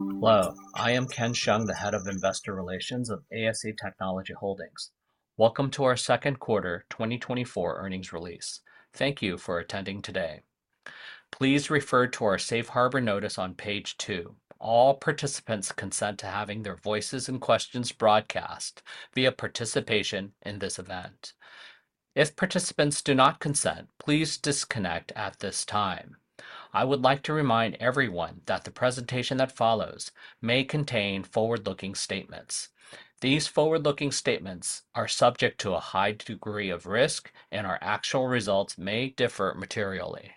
Hello. I am Ken Hsiang, the Head of Investor Relations of ASE Technology Holdings. Welcome to our second quarter 2024 earnings release. Thank you for attending today. Please refer to our safe harbor notice on Page 2. All participants consent to having their voices and questions broadcast via participation in this event. If participants do not consent, please disconnect at this time. I would like to remind everyone that the presentation that follows may contain forward-looking statements. These forward-looking statements are subject to a high degree of risk, and our actual results may differ materially.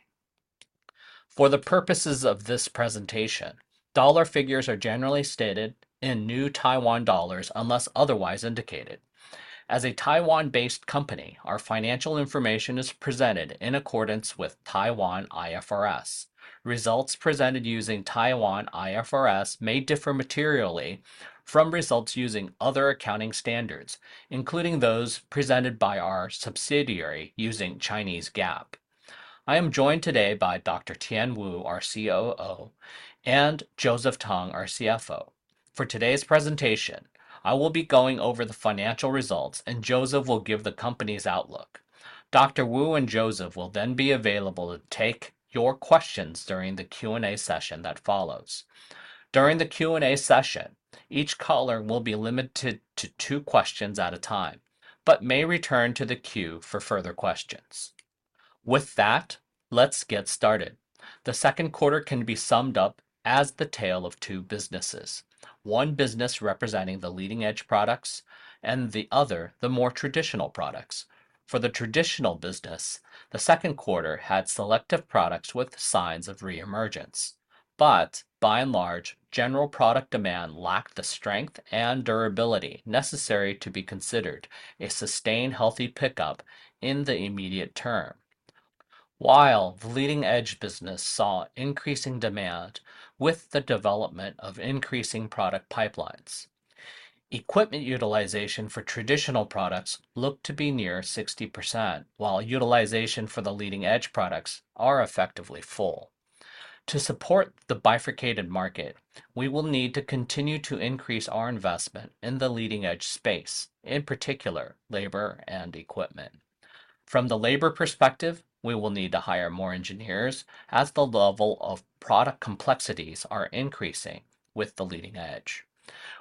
For the purposes of this presentation, dollar figures are generally stated in new Taiwan dollars unless otherwise indicated. As a Taiwan-based company, our financial information is presented in accordance with Taiwan IFRS. Results presented using Taiwan IFRS may differ materially from results using other accounting standards, including those presented by our subsidiary using Chinese GAAP. I am joined today by Dr. Tien Wu, our COO, and Joseph Tung, our CFO. For today's presentation, I will be going over the financial results, and Joseph will give the company's outlook. Dr. Wu and Joseph will then be available to take your questions during the Q&A session that follows. During the Q&A session, each caller will be limited to two questions at a time, but may return to the queue for further questions. With that, let's get started. The second quarter can be summed up as the tale of two businesses: one business representing the leading-edge products and the other the more traditional products. For the traditional business, the second quarter had selective products with signs of reemergence. But by and large, general product demand lacked the strength and durability necessary to be considered a sustained healthy pickup in the immediate term, while the leading-edge business saw increasing demand with the development of increasing product pipelines. Equipment utilization for traditional products looked to be near 60%, while utilization for the leading-edge products is effectively full. To support the bifurcated market, we will need to continue to increase our investment in the leading-edge space, in particular, labor and equipment. From the labor perspective, we will need to hire more engineers as the level of product complexities are increasing with the leading edge.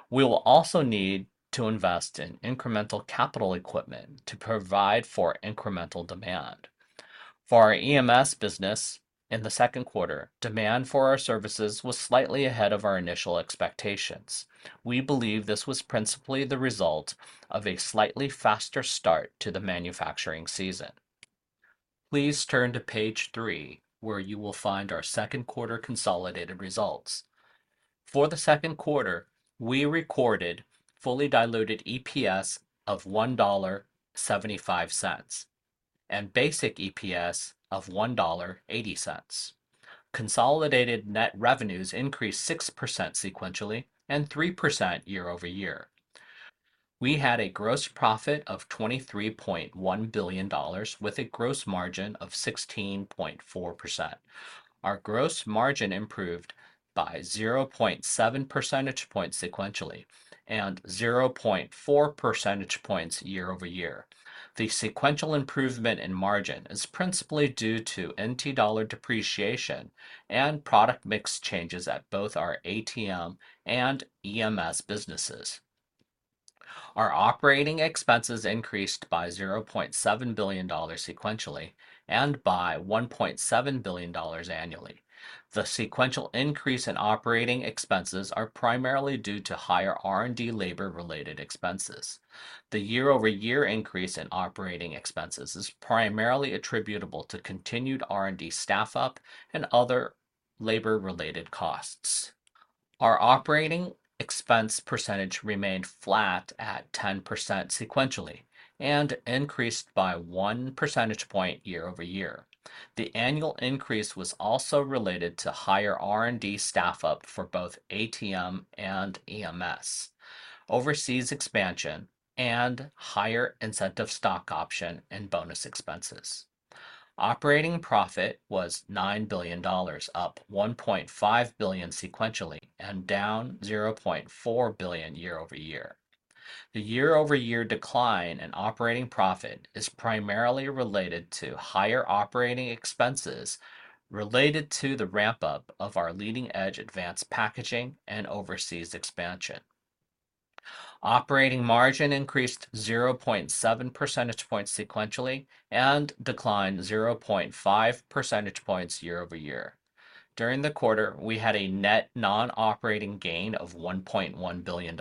We will also need to invest in incremental capital equipment to provide for incremental demand. For our EMS business, in the second quarter, demand for our services was slightly ahead of our initial expectations. We believe this was principally the result of a slightly faster start to the manufacturing season. Please turn to Page 3, where you will find our second quarter consolidated results. For the second quarter, we recorded fully diluted EPS of $1.75 and basic EPS of $1.80. Consolidated net revenues increased 6% sequentially and 3% year-over-year. We had a gross profit of $23.1 billion, with a gross margin of 16.4%. Our gross margin improved by 0.7 percentage points sequentially and 0.4 percentage points year-over-year. The sequential improvement in margin is principally due to NT dollar depreciation and product mix changes at both our ATM and EMS businesses. Our operating expenses increased by $0.7 billion sequentially and by $1.7 billion annually. The sequential increase in operating expenses is primarily due to higher R&D labor-related expenses. The year-over-year increase in operating expenses is primarily attributable to continued R&D staff-up and other labor-related costs. Our operating expense percentage remained flat at 10% sequentially and increased by one percentage point year-over-year. The annual increase was also related to higher R&D staff-up for both ATM and EMS, overseas expansion, and higher incentive stock option and bonus expenses. Operating profit was $9 billion, up $1.5 billion sequentially and down $0.4 billion year-over-year. The year-over-year decline in operating profit is primarily related to higher operating expenses related to the ramp-up of our leading-edge advanced packaging and overseas expansion. Operating margin increased 0.7 percentage points sequentially and declined 0.5 percentage points year-over-year. During the quarter, we had a net non-operating gain of $1.1 billion.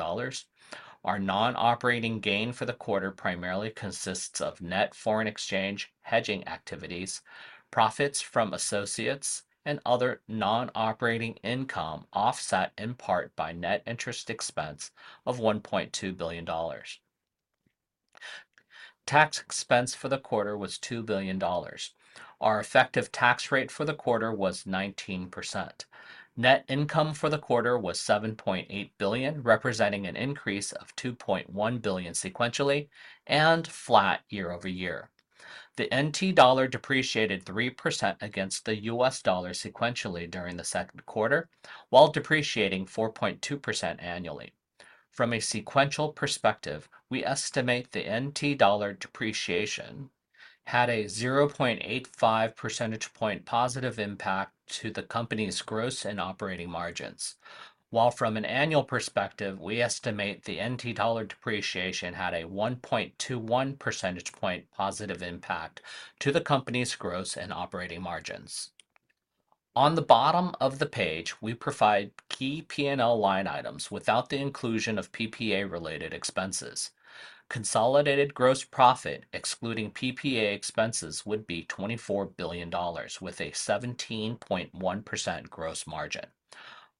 Our non-operating gain for the quarter primarily consists of net foreign exchange hedging activities, profits from associates, and other non-operating income offset in part by net interest expense of 1.2 billion dollars. Tax expense for the quarter was 2 billion dollars. Our effective tax rate for the quarter was 19%. Net income for the quarter was TWD 7.8 billion, representing an increase of TWD 2.1 billion sequentially and flat year-over-year. The NT dollar depreciated 3% against the US dollar sequentially during the second quarter, while depreciating 4.2% annually. From a sequential perspective, we estimate the NT dollar depreciation had a 0.85 percentage point positive impact to the company's gross and operating margins, while from an annual perspective, we estimate the NT dollar depreciation had a 1.21 percentage point positive impact to the company's gross and operating margins. On the bottom of the page, we provide key P&L line items without the inclusion of PPA-related expenses. Consolidated gross profit, excluding PPA expenses, would be $24 billion, with a 17.1% gross margin.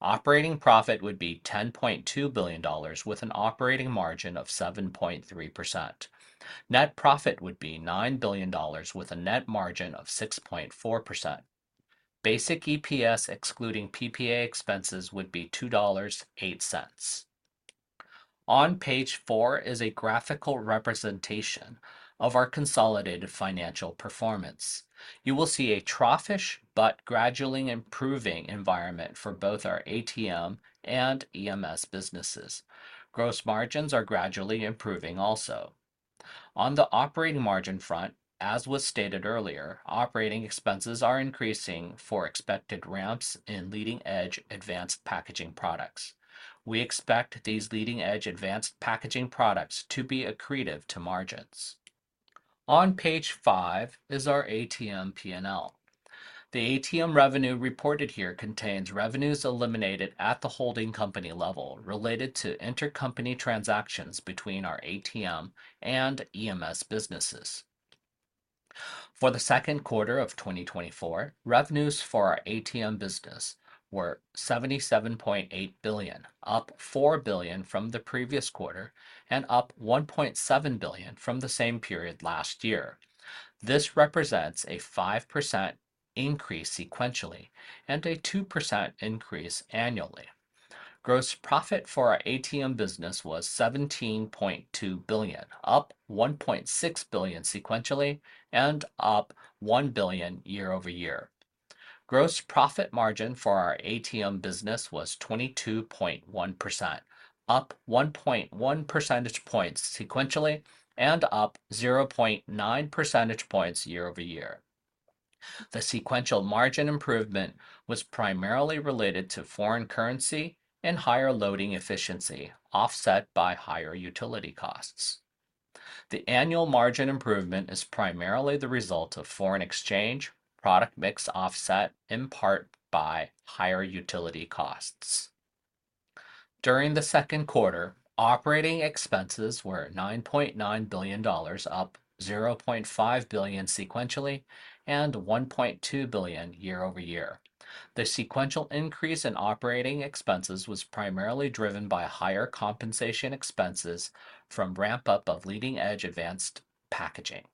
Operating profit would be $10.2 billion, with an operating margin of 7.3%. Net profit would be $9 billion, with a net margin of 6.4%. Basic EPS, excluding PPA expenses, would be $2.08. On Page 4 is a graphical representation of our consolidated financial performance. You will see a troughish but gradually improving environment for both our ATM and EMS businesses. Gross margins are gradually improving also. On the operating margin front, as was stated earlier, operating expenses are increasing for expected ramps in leading-edge advanced packaging products. We expect these leading-edge advanced packaging products to be accretive to margins. On Page 5 is our ATM P&L. The ATM revenue reported here contains revenues eliminated at the holding company level related to intercompany transactions between our ATM and EMS businesses. For the second quarter of 2024, revenues for our ATM business were 77.8 billion, up 4 billion from the previous quarter and up 1.7 billion from the same period last year. This represents a 5% increase sequentially and a 2% increase annually. Gross profit for our ATM business was TWD 17.2 billion, up TWD 1.6 billion sequentially and up TWD 1 billion year-over-year. Gross profit margin for our ATM business was 22.1%, up 1.1 percentage points sequentially and up 0.9 percentage points year-over-year. The sequential margin improvement was primarily related to foreign currency and higher loading efficiency, offset by higher utility costs. The annual margin improvement is primarily the result of foreign exchange product mix offset in part by higher utility costs. During the second quarter, operating expenses were $9.9 billion, up $0.5 billion sequentially and $1.2 billion year-over-year. The sequential increase in operating expenses was primarily driven by higher compensation expenses from ramp-up of leading-edge advanced packaging.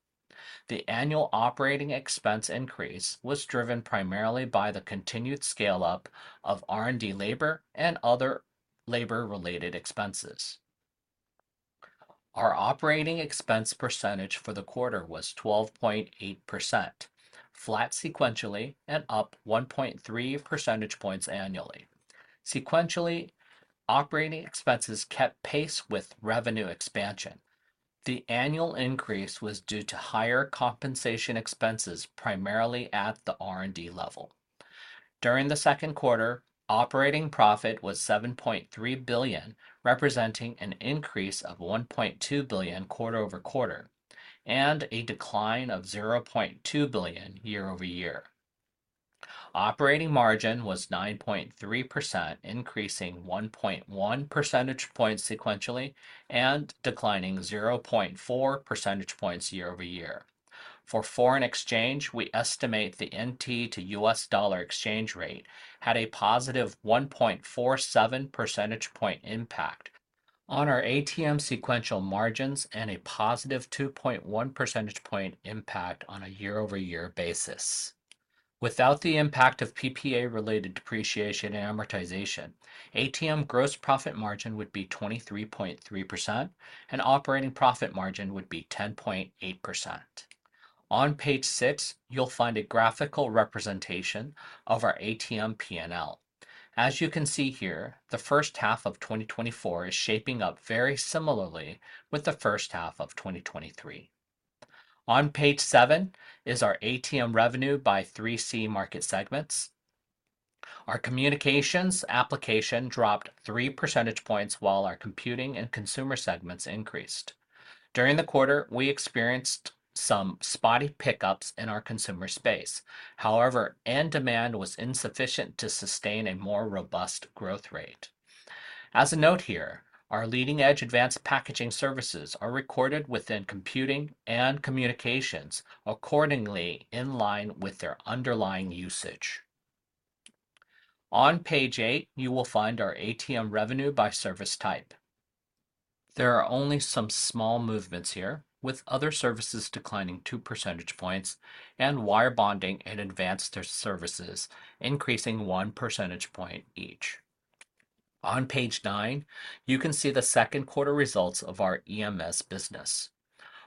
The annual operating expense increase was driven primarily by the continued scale-up of R&D labor and other labor-related expenses. Our operating expense percentage for the quarter was 12.8%, flat sequentially and up 1.3 percentage points annually. Sequentially, operating expenses kept pace with revenue expansion. The annual increase was due to higher compensation expenses primarily at the R&D level. During the second quarter, operating profit was $7.3 billion, representing an increase of $1.2 billion quarter-over-quarter and a decline of $0.2 billion year-over-year. Operating margin was 9.3%, increasing 1.1 percentage points sequentially and declining 0.4 percentage points year-over-year. For foreign exchange, we estimate the NT to US dollar exchange rate had a positive 1.47 percentage point impact on our ATM sequential margins and a positive 2.1 percentage point impact on a year-over-year basis. Without the impact of PPA-related depreciation and amortization, ATM gross profit margin would be 23.3%, and operating profit margin would be 10.8%. On Page 6, you'll find a graphical representation of our ATM P&L. As you can see here, the first half of 2024 is shaping up very similarly with the first half of 2023. On Page 7 is our ATM revenue by 3C market segments. Our communications application dropped three percentage points, while our computing and consumer segments increased. During the quarter, we experienced some spotty pickups in our consumer space. However, end demand was insufficient to sustain a more robust growth rate. As a note here, our leading-edge advanced packaging services are recorded within computing and communications accordingly in line with their underlying usage. On Page 8, you will find our ATM revenue by service type. There are only some small movements here, with other services declining 2 percentage points and wire bonding and advanced services increasing 1 percentage point each. On Page 9, you can see the second quarter results of our EMS business.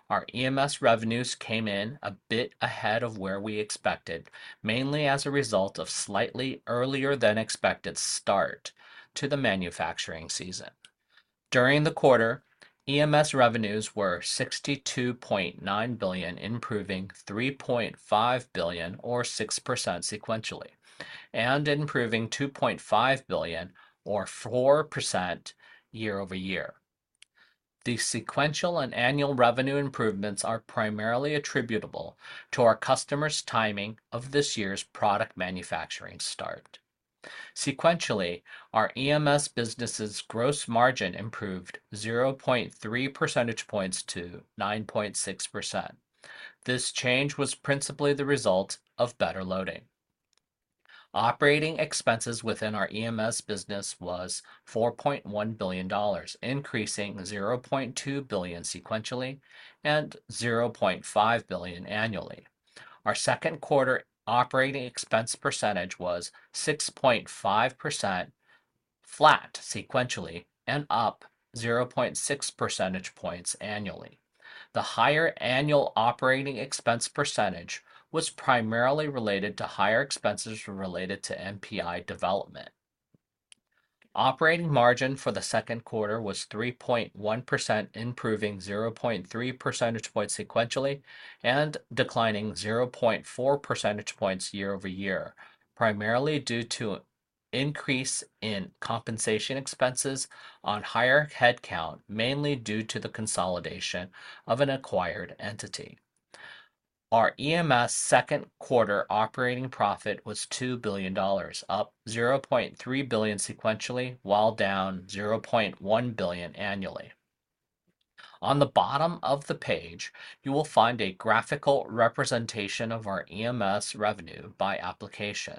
Our EMS revenues came in a bit ahead of where we expected, mainly as a result of a slightly earlier-than-expected start to the manufacturing season. During the quarter, EMS revenues were TWD 62.9 billion, improving TWD 3.5 billion, or 6% sequentially, and improving TWD 2.5 billion, or 4% year-over-year. The sequential and annual revenue improvements are primarily attributable to our customers' timing of this year's product manufacturing start. Sequentially, our EMS business's gross margin improved 0.3 percentage points to 9.6%. This change was principally the result of better loading. Operating expenses within our EMS business were $4.1 billion, increasing $0.2 billion sequentially and $0.5 billion annually. Our second quarter operating expense percentage was 6.5%, flat sequentially and up 0.6 percentage points annually. The higher annual operating expense percentage was primarily related to higher expenses related to NPI development. Operating margin for the second quarter was 3.1%, improving 0.3 percentage points sequentially and declining 0.4 percentage points year-over-year, primarily due to an increase in compensation expenses on higher headcount, mainly due to the consolidation of an acquired entity. Our EMS second quarter operating profit was $2 billion, up $0.3 billion sequentially, while down $0.1 billion annually. On the bottom of the page, you will find a graphical representation of our EMS revenue by application.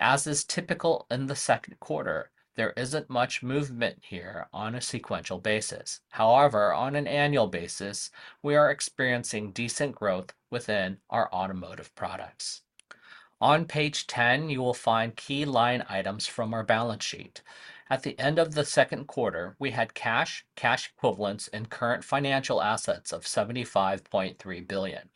As is typical in the second quarter, there isn't much movement here on a sequential basis. However, on an annual basis, we are experiencing decent growth within our automotive products. On Page 10, you will find key line items from our balance sheet. At the end of the second quarter, we had cash, cash equivalents, and current financial assets of $75.3 billion.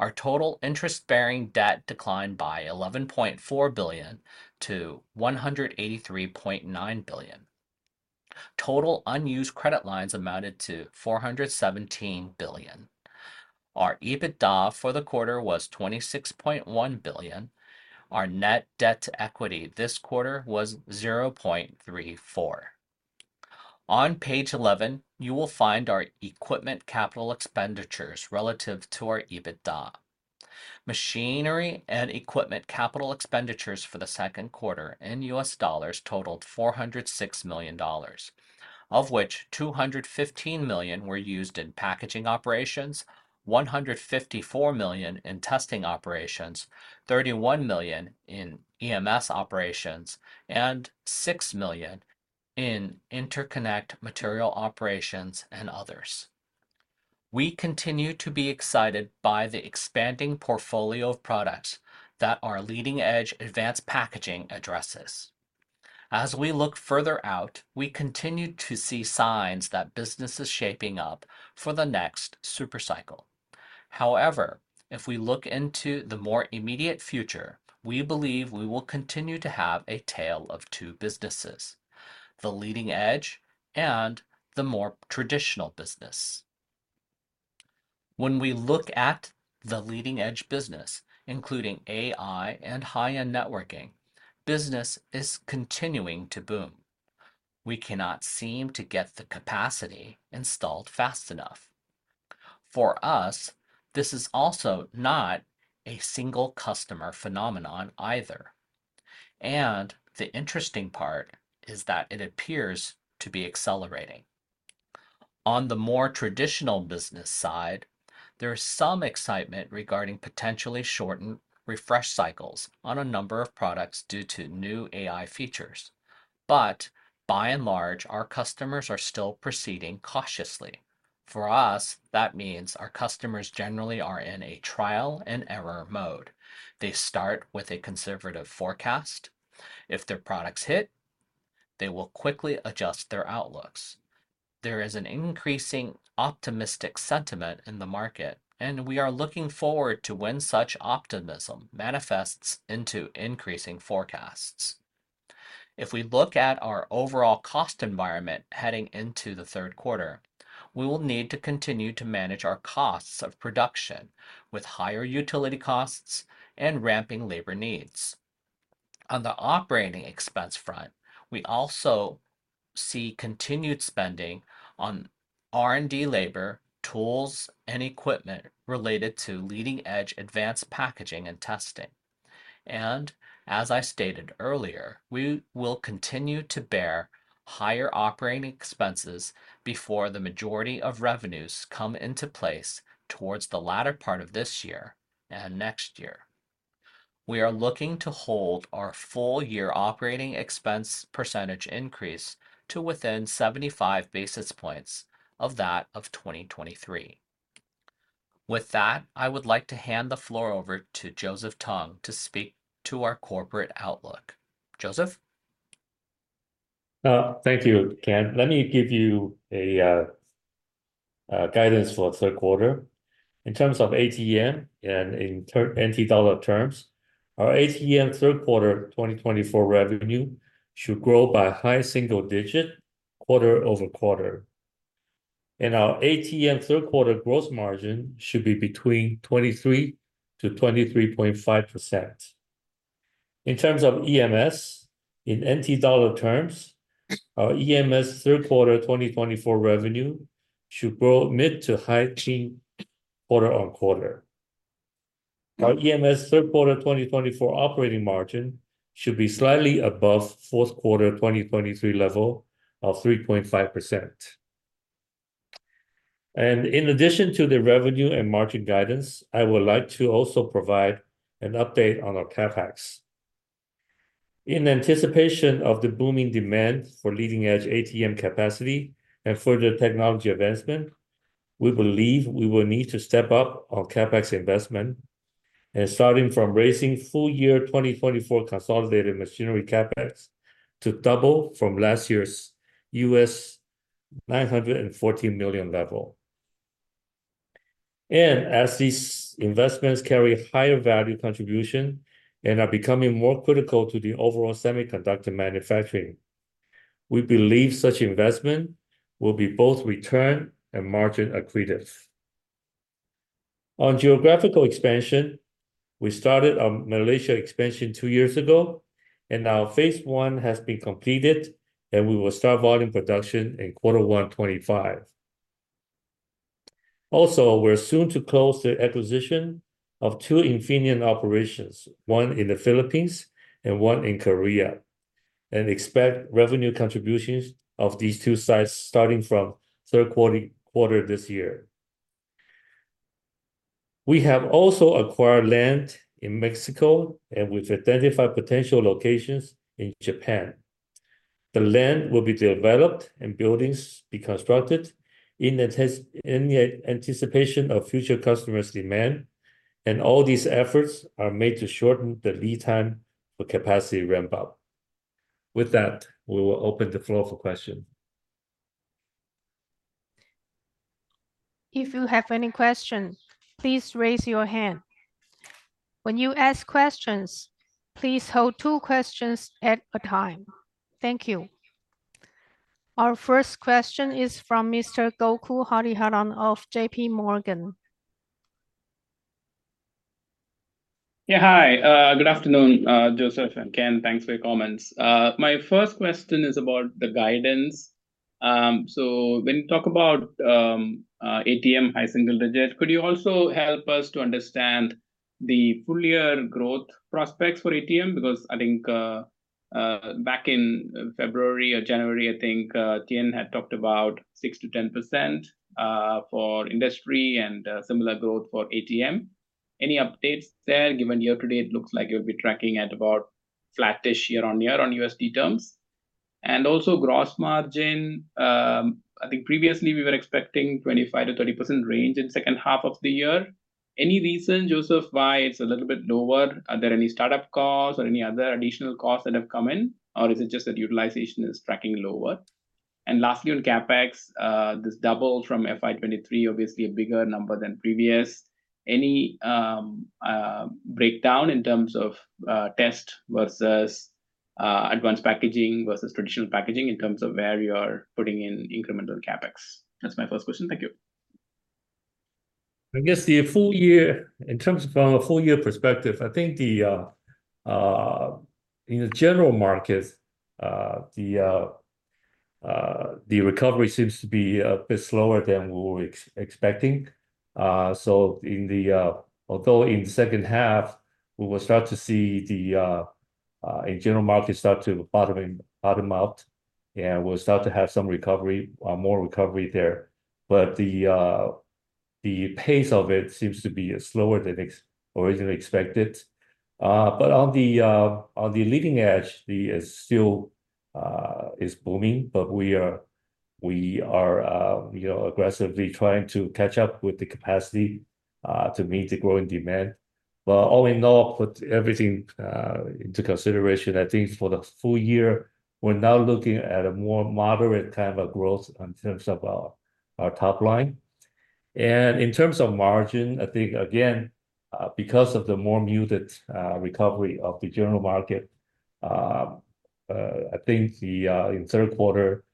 Our total interest-bearing debt declined by $11.4 billion to $183.9 billion. Total unused credit lines amounted to $417 billion. Our EBITDA for the quarter was $26.1 billion. Our net debt to equity this quarter was 0.34. On Page 11, you will find our equipment capital expenditures relative to our EBITDA. Machinery and equipment capital expenditures for the second quarter in US dollars totaled $406 million, of which $215 million were used in packaging operations, $154 million in testing operations, $31 million in EMS operations, and $6 million in interconnect material operations and others. We continue to be excited by the expanding portfolio of products that our leading-edge advanced packaging addresses. As we look further out, we continue to see signs that business is shaping up for the next supercycle. However, if we look into the more immediate future, we believe we will continue to have a tale of two businesses: the leading edge and the more traditional business. When we look at the leading-edge business, including AI and high-end networking, business is continuing to boom. We cannot seem to get the capacity installed fast enough. For us, this is also not a single customer phenomenon either. The interesting part is that it appears to be accelerating. On the more traditional business side, there is some excitement regarding potentially shortened refresh cycles on a number of products due to new AI features. But by and large, our customers are still proceeding cautiously. For us, that means our customers generally are in a trial-and-error mode. They start with a conservative forecast. If their products hit, they will quickly adjust their outlooks. There is an increasing optimistic sentiment in the market, and we are looking forward to when such optimism manifests into increasing forecasts. If we look at our overall cost environment heading into the third quarter, we will need to continue to manage our costs of production with higher utility costs and ramping labor needs. On the operating expense front, we also see continued spending on R&D labor, tools, and equipment related to leading-edge advanced packaging and testing. And as I stated earlier, we will continue to bear higher operating expenses before the majority of revenues come into place towards the latter part of this year and next year. We are looking to hold our full-year operating expense percentage increase to within 75 basis points of that of 2023. With that, I would like to hand the floor over to Joseph Tung to speak to our corporate outlook. Joseph? Thank you, Ken. Let me give you a guidance for the third quarter. In terms of ATM and in NT dollar terms, our ATM third quarter 2024 revenue should grow by a high single digit quarter-over-quarter. And our ATM third quarter gross margin should be between 23%-23.5%. In terms of EMS, in NT dollar terms, our EMS third quarter 2024 revenue should grow mid to high quarter on quarter. Our EMS third quarter 2024 operating margin should be slightly above fourth quarter 2023 level of 3.5%. In addition to the revenue and margin guidance, I would like to also provide an update on our CapEx. In anticipation of the booming demand for leading-edge ATM capacity and further technology advancement, we believe we will need to step up our CapEx investment, starting from raising full-year 2024 consolidated machinery CapEx to double from last year's $914 million level. As these investments carry higher value contribution and are becoming more critical to the overall semiconductor manufacturing, we believe such investment will be both return and margin accretive. On geographical expansion, we started our Malaysia expansion two years ago, and now phase I has been completed, and we will start volume production in quarter one 2025. Also, we're soon to close the acquisition of two Infineon operations, one in the Philippines and one in Korea, and expect revenue contributions of these two sites starting from third quarter this year. We have also acquired land in Mexico, and we've identified potential locations in Japan. The land will be developed, and buildings will be constructed in anticipation of future customers' demand, and all these efforts are made to shorten the lead time for capacity ramp-up. With that, we will open the floor for questions. If you have any questions, please raise your hand. When you ask questions, please hold two questions at a time. Thank you. Our first question is from Mr. Gokul Hariharan of JPMorgan. Yeah. Hi. Good afternoon, Joseph and Ken. Thanks for your comments. My first question is about the guidance. So when you talk about ATM high single digit, could you also help us to understand the full-year growth prospects for ATM? Because I think back in February or January, I think Tien had talked about 6%-10% for industry and similar growth for ATM. Any updates there? Given year-to-date, it looks like it would be tracking at about flattish year-on-year on USD terms. And also gross margin, I think previously we were expecting 25%-30% range in the second half of the year. Any reason, Joseph, why it's a little bit lower? Are there any startup costs or any other additional costs that have come in? Or is it just that utilization is tracking lower? And lastly, on CapEx, this double from FY 2023, obviously a bigger number than previous. Any breakdown in terms of test versus advanced packaging versus traditional packaging in terms of where you're putting in incremental CapEx? That's my first question. Thank you. I guess the full year, in terms of our full-year perspective, I think in the general market, the recovery seems to be a bit slower than we were expecting. So although in the second half, we will start to see the general market start to bottom out, and we'll start to have some recovery, more recovery there. But the pace of it seems to be slower than originally expected. But on the leading edge, it still is booming, but we are aggressively trying to catch up with the capacity to meet the growing demand. But all in all, put everything into consideration, I think for the full year, we're now looking at a more moderate kind of growth in terms of our top line. And in terms of margin, I think, again, because of the more muted recovery of the general market, I think in third quarter,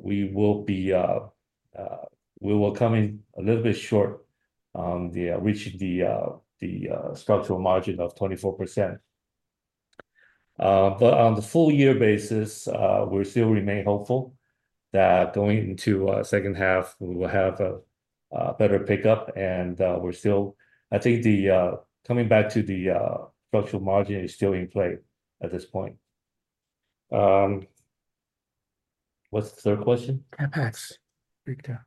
we will come in a little bit short on reaching the structural margin of 24%. But on the full-year basis, we still remain hopeful that going into the second half, we will have a better pickup. And we're still, I think coming back to the structural margin is still in play at this point. What's the third question? CapEx breakdown.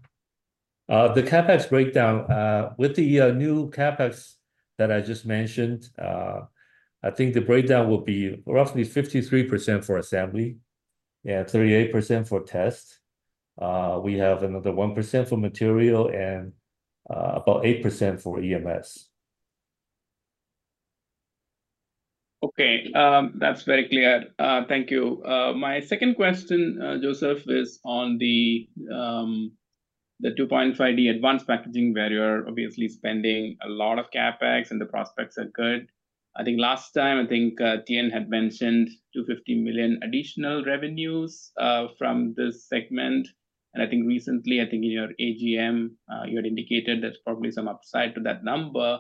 The CapEx breakdown, with the new CapEx that I just mentioned, I think the breakdown will be roughly 53% for assembly and 38% for test. We have another 1% for material and about 8% for EMS. Okay, that's very clear. Thank you. My second question, Joseph, is on the 2.5D advanced packaging where you're obviously spending a lot of CapEx and the prospects are good. I think last time, I think Tien had mentioned $250 million additional revenues from this segment. And I think recently, I think in your AGM, you had indicated there's probably some upside to that number.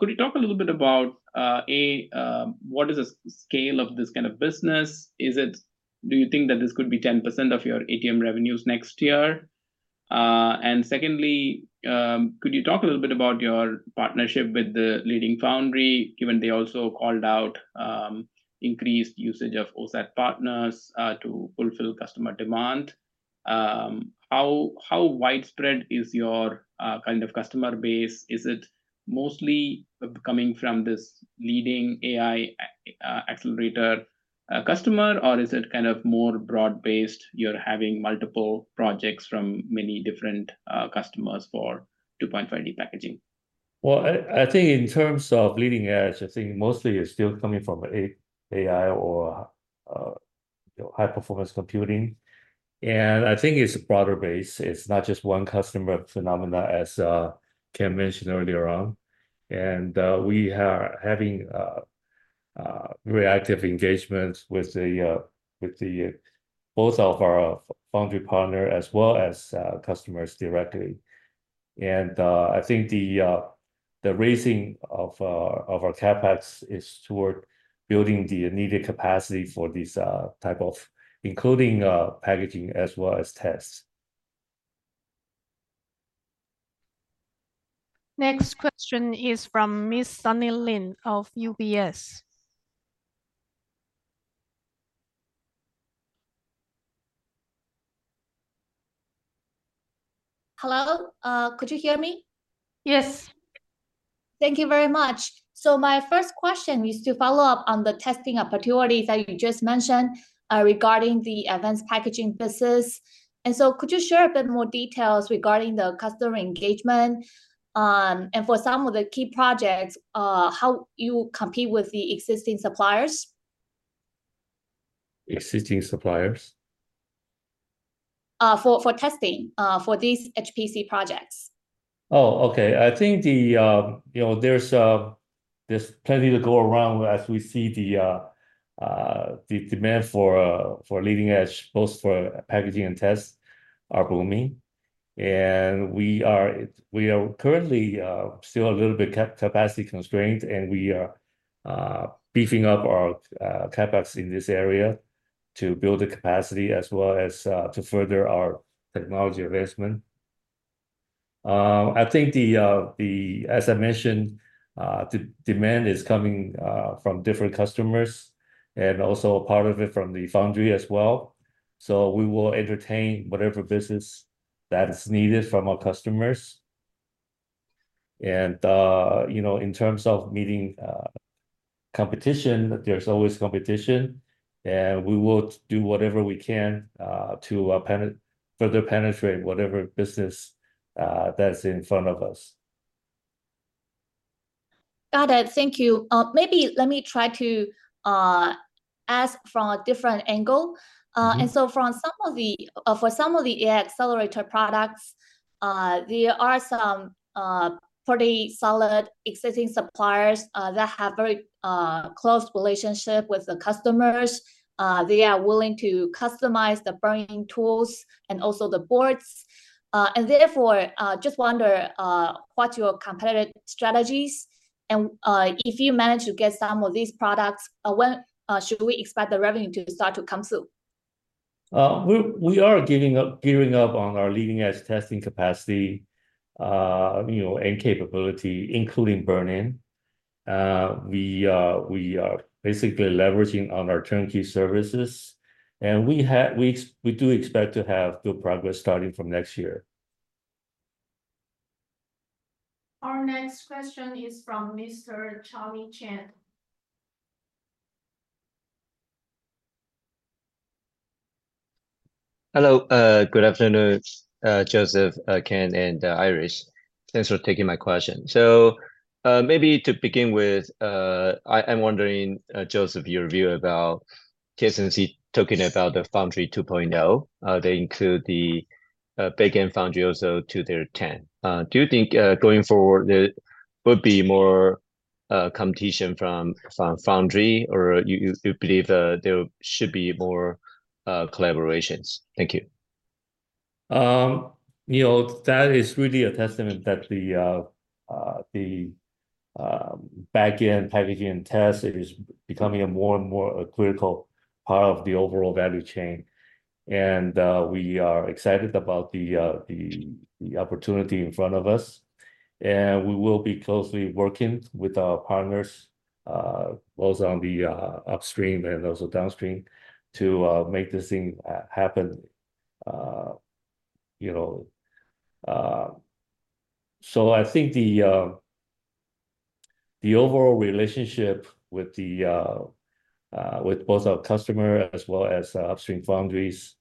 Could you talk a little bit about, A, what is the scale of this kind of business? Do you think that this could be 10% of your ATM revenues next year? And secondly, could you talk a little bit about your partnership with the leading foundry, given they also called out increased usage of OSAT partners to fulfill customer demand? How widespread is your kind of customer base? Is it mostly coming from this leading AI accelerator customer, or is it kind of more broad-based? You're having multiple projects from many different customers for 2.5D packaging. Well, I think in terms of leading edge, I think mostly it's still coming from AI or high-performance computing. And I think it's a broader base. It's not just one customer phenomena, as Ken mentioned earlier on. And we are having very active engagements with both of our foundry partners as well as customers directly. And I think the raising of our CapEx is toward building the needed capacity for this type of including packaging as well as tests. Next question is from Ms. Sunny Lin of UBS. Hello, could you hear me? Yes. Thank you very much. So my first question is to follow up on the testing opportunities that you just mentioned regarding the advanced packaging business. So could you share a bit more details regarding the customer engagement and, for some of the key projects, how you compete with the existing suppliers? Existing suppliers? For testing for these HPC projects. Oh, okay. I think there's plenty to go around as we see the demand for leading edge, both for packaging and tests, are booming. We are currently still a little bit capacity constrained, and we are beefing up our CapEx in this area to build the capacity as well as to further our technology advancement. I think, as I mentioned, the demand is coming from different customers and also part of it from the foundry as well. We will entertain whatever business that is needed from our customers. And in terms of meeting competition, there's always competition, and we will do whatever we can to further penetrate whatever business that is in front of us. Got it. Thank you. Maybe let me try to ask from a different angle. And so for some of the accelerator products, there are some pretty solid existing suppliers that have a very close relationship with the customers. They are willing to customize the burn-in tools and also the boards. And therefore, just wonder what your competitive strategies are. And if you manage to get some of these products, when should we expect the revenue to start to come through? We are gearing up on our leading-edge testing capacity and capability, including burn-in. We are basically leveraging on our turnkey services. And we do expect to have good progress starting from next year. Our next question is from Mr. Charlie Chan. Hello, good afternoon, Joseph, Ken, and Iris. Thanks for taking my question. So maybe to begin with, I'm wondering, Joseph, your view about TSMC talking about the Foundry 2.0. They include the back-end foundry also to their TAM. Do you think going forward there would be more competition from foundry, or you believe there should be more collaborations? Thank you. That is really a testament that the back-end packaging and test is becoming more and more a critical part of the overall value chain. And we are excited about the opportunity in front of us. And we will be closely working with our partners, both on the upstream and also downstream, to make this thing happen. So I think the overall relationship with both our customers as well as upstream foundries,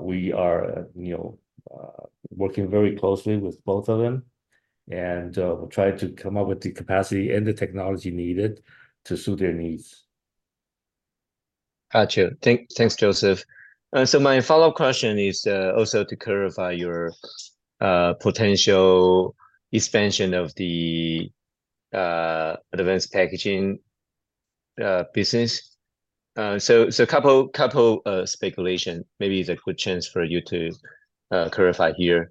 we are working very closely with both of them. We'll try to come up with the capacity and the technology needed to suit their needs. Gotcha. Thanks, Joseph. So my follow-up question is also to clarify your potential expansion of the advanced packaging business. So a couple of speculations, maybe it's a good chance for you to clarify here.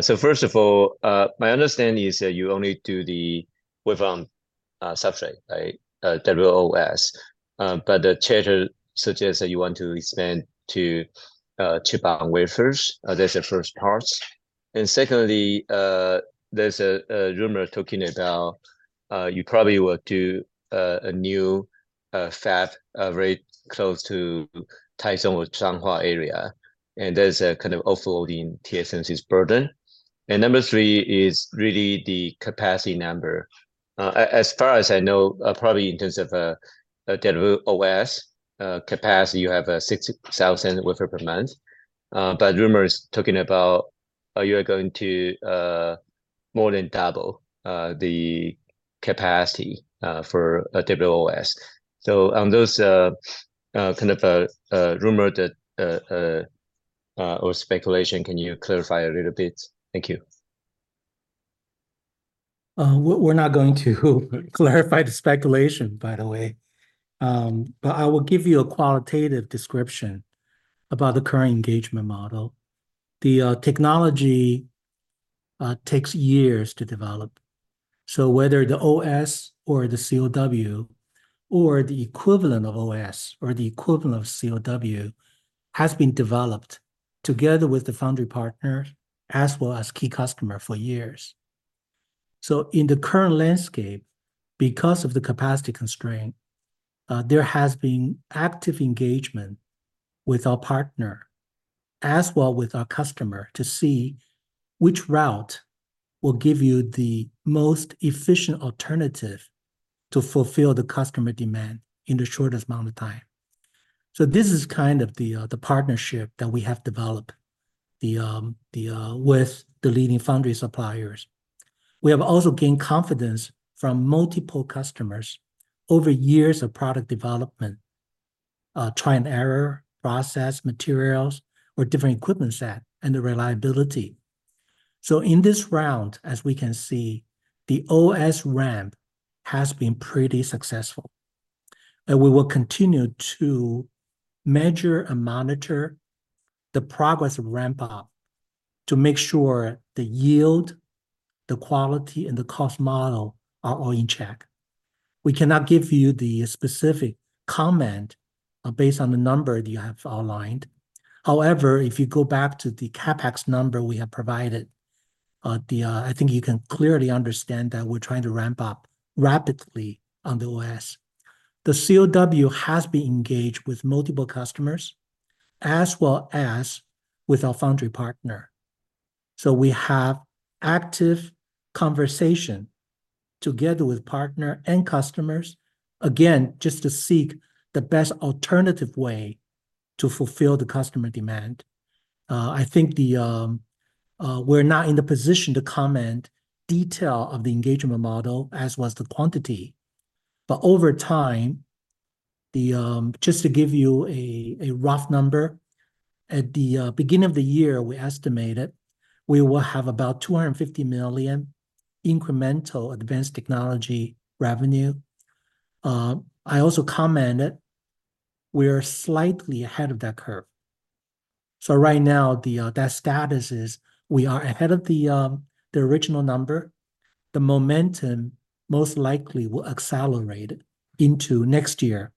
So first of all, my understanding is that you only do the wafer-on-substrate WoS. But the chatter suggests that you want to expand to Chip-on-Wafer. That's the first part. And secondly, there's a rumor talking about you probably will do a new fab very close to Taichung or Changhua area. And that is a kind of offloading TSMC's burden. And number three is really the capacity number. As far as I know, probably in terms of WoS capacity, you have 6,000 wafers per month. But rumors talking about you are going to more than double the capacity for WoS. So on those kind of rumors or speculation, can you clarify a little bit? Thank you. We're not going to clarify the speculation, by the way. But I will give you a qualitative description about the current engagement model. The technology takes years to develop. So whether the WoS or the CoW or the equivalent of WoS or the equivalent of CoW has been developed together with the foundry partners as well as key customers for years. So in the current landscape, because of the capacity constraint, there has been active engagement with our partner as well with our customer to see which route will give you the most efficient alternative to fulfill the customer demand in the shortest amount of time. So this is kind of the partnership that we have developed with the leading foundry suppliers. We have also gained confidence from multiple customers over years of product development, trial and error process, materials, or different equipment set and the reliability. So in this round, as we can see, the oS ramp has been pretty successful. We will continue to measure and monitor the progress of ramp-up to make sure the yield, the quality, and the cost model are all in check. We cannot give you the specific comment based on the number that you have outlined. However, if you go back to the CapEx number we have provided, I think you can clearly understand that we're trying to ramp up rapidly on the oS. The CoW has been engaged with multiple customers as well as with our foundry partner. So we have active conversation together with partners and customers, again, just to seek the best alternative way to fulfill the customer demand. I think we're not in the position to comment detail of the engagement model as well as the quantity. But over time, just to give you a rough number, at the beginning of the year, we estimated we will have about 250 million incremental advanced technology revenue. I also commented we are slightly ahead of that curve. So right now, that status is we are ahead of the original number. The momentum most likely will accelerate into next year,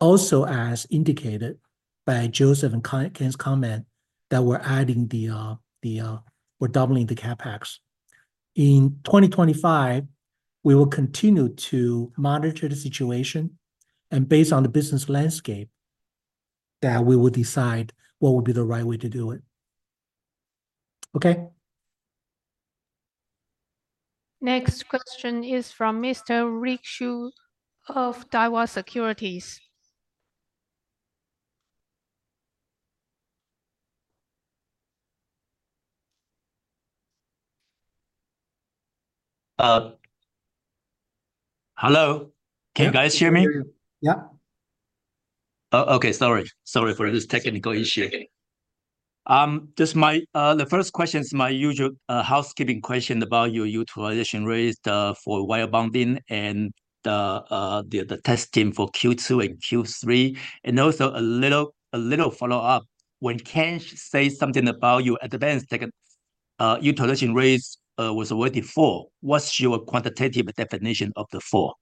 also as indicated by Joseph and Ken's comment that we're adding, we're doubling the CapEx. In 2025, we will continue to monitor the situation. And based on the business landscape, that we will decide what would be the right way to do it. Okay. Next question is from Mr. Rick Hsu of Daiwa Securities. Hello. Can you guys hear me? Yeah. Okay. Sorry. Sorry for this technical issue. The first question is my usual housekeeping question about your utilization rate for wire bonding and the testing for Q2 and Q3. And also a little follow-up. When Ken says something about your advanced utilization rate was already full, what's your quantitative definition of the full?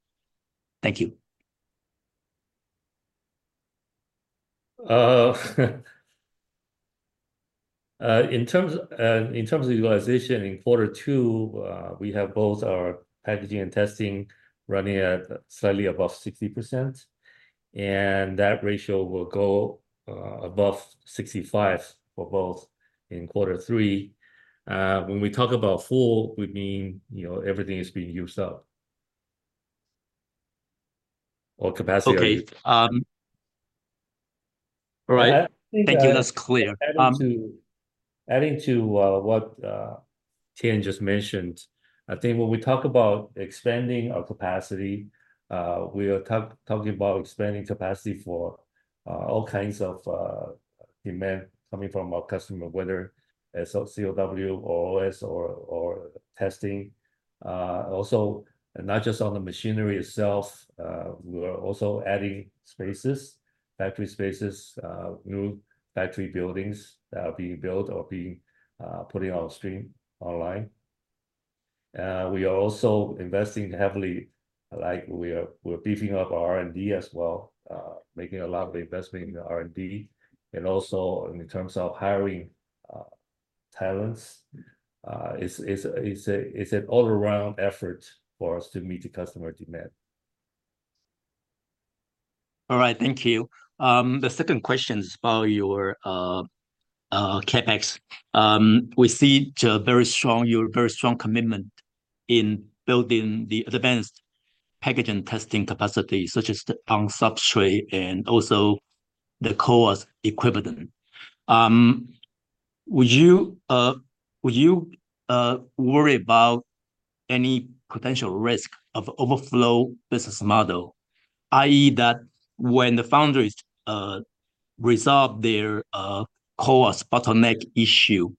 Thank you. In terms of utilization in quarter two, we have both our packaging and testing running at slightly above 60%. And that ratio will go above 65% for both in quarter three. When we talk about full, we mean everything is being used up or capacity up. Okay. All right. Thank you. That's clear. Adding to what Ken just mentioned, I think when we talk about expanding our capacity, we are talking about expanding capacity for all kinds of demand coming from our customer, whether it's CoW or WoS or testing. Also, not just on the machinery itself, we are also adding spaces, factory spaces, new factory buildings that are being built or being put on stream online. We are also investing heavily. We're beefing up our R&D as well, making a lot of investment in R&D. And also in terms of hiring talents, it's an all-around effort for us to meet the customer demand. All right. Thank you. The second question is about your CapEx. We see your very strong commitment in building the advanced packaging testing capacity, such as on-substrate and also the CoWoS equivalent. Would you worry about any potential risk of overflow business model, i.e., that when the foundries resolve their capacity bottleneck issue,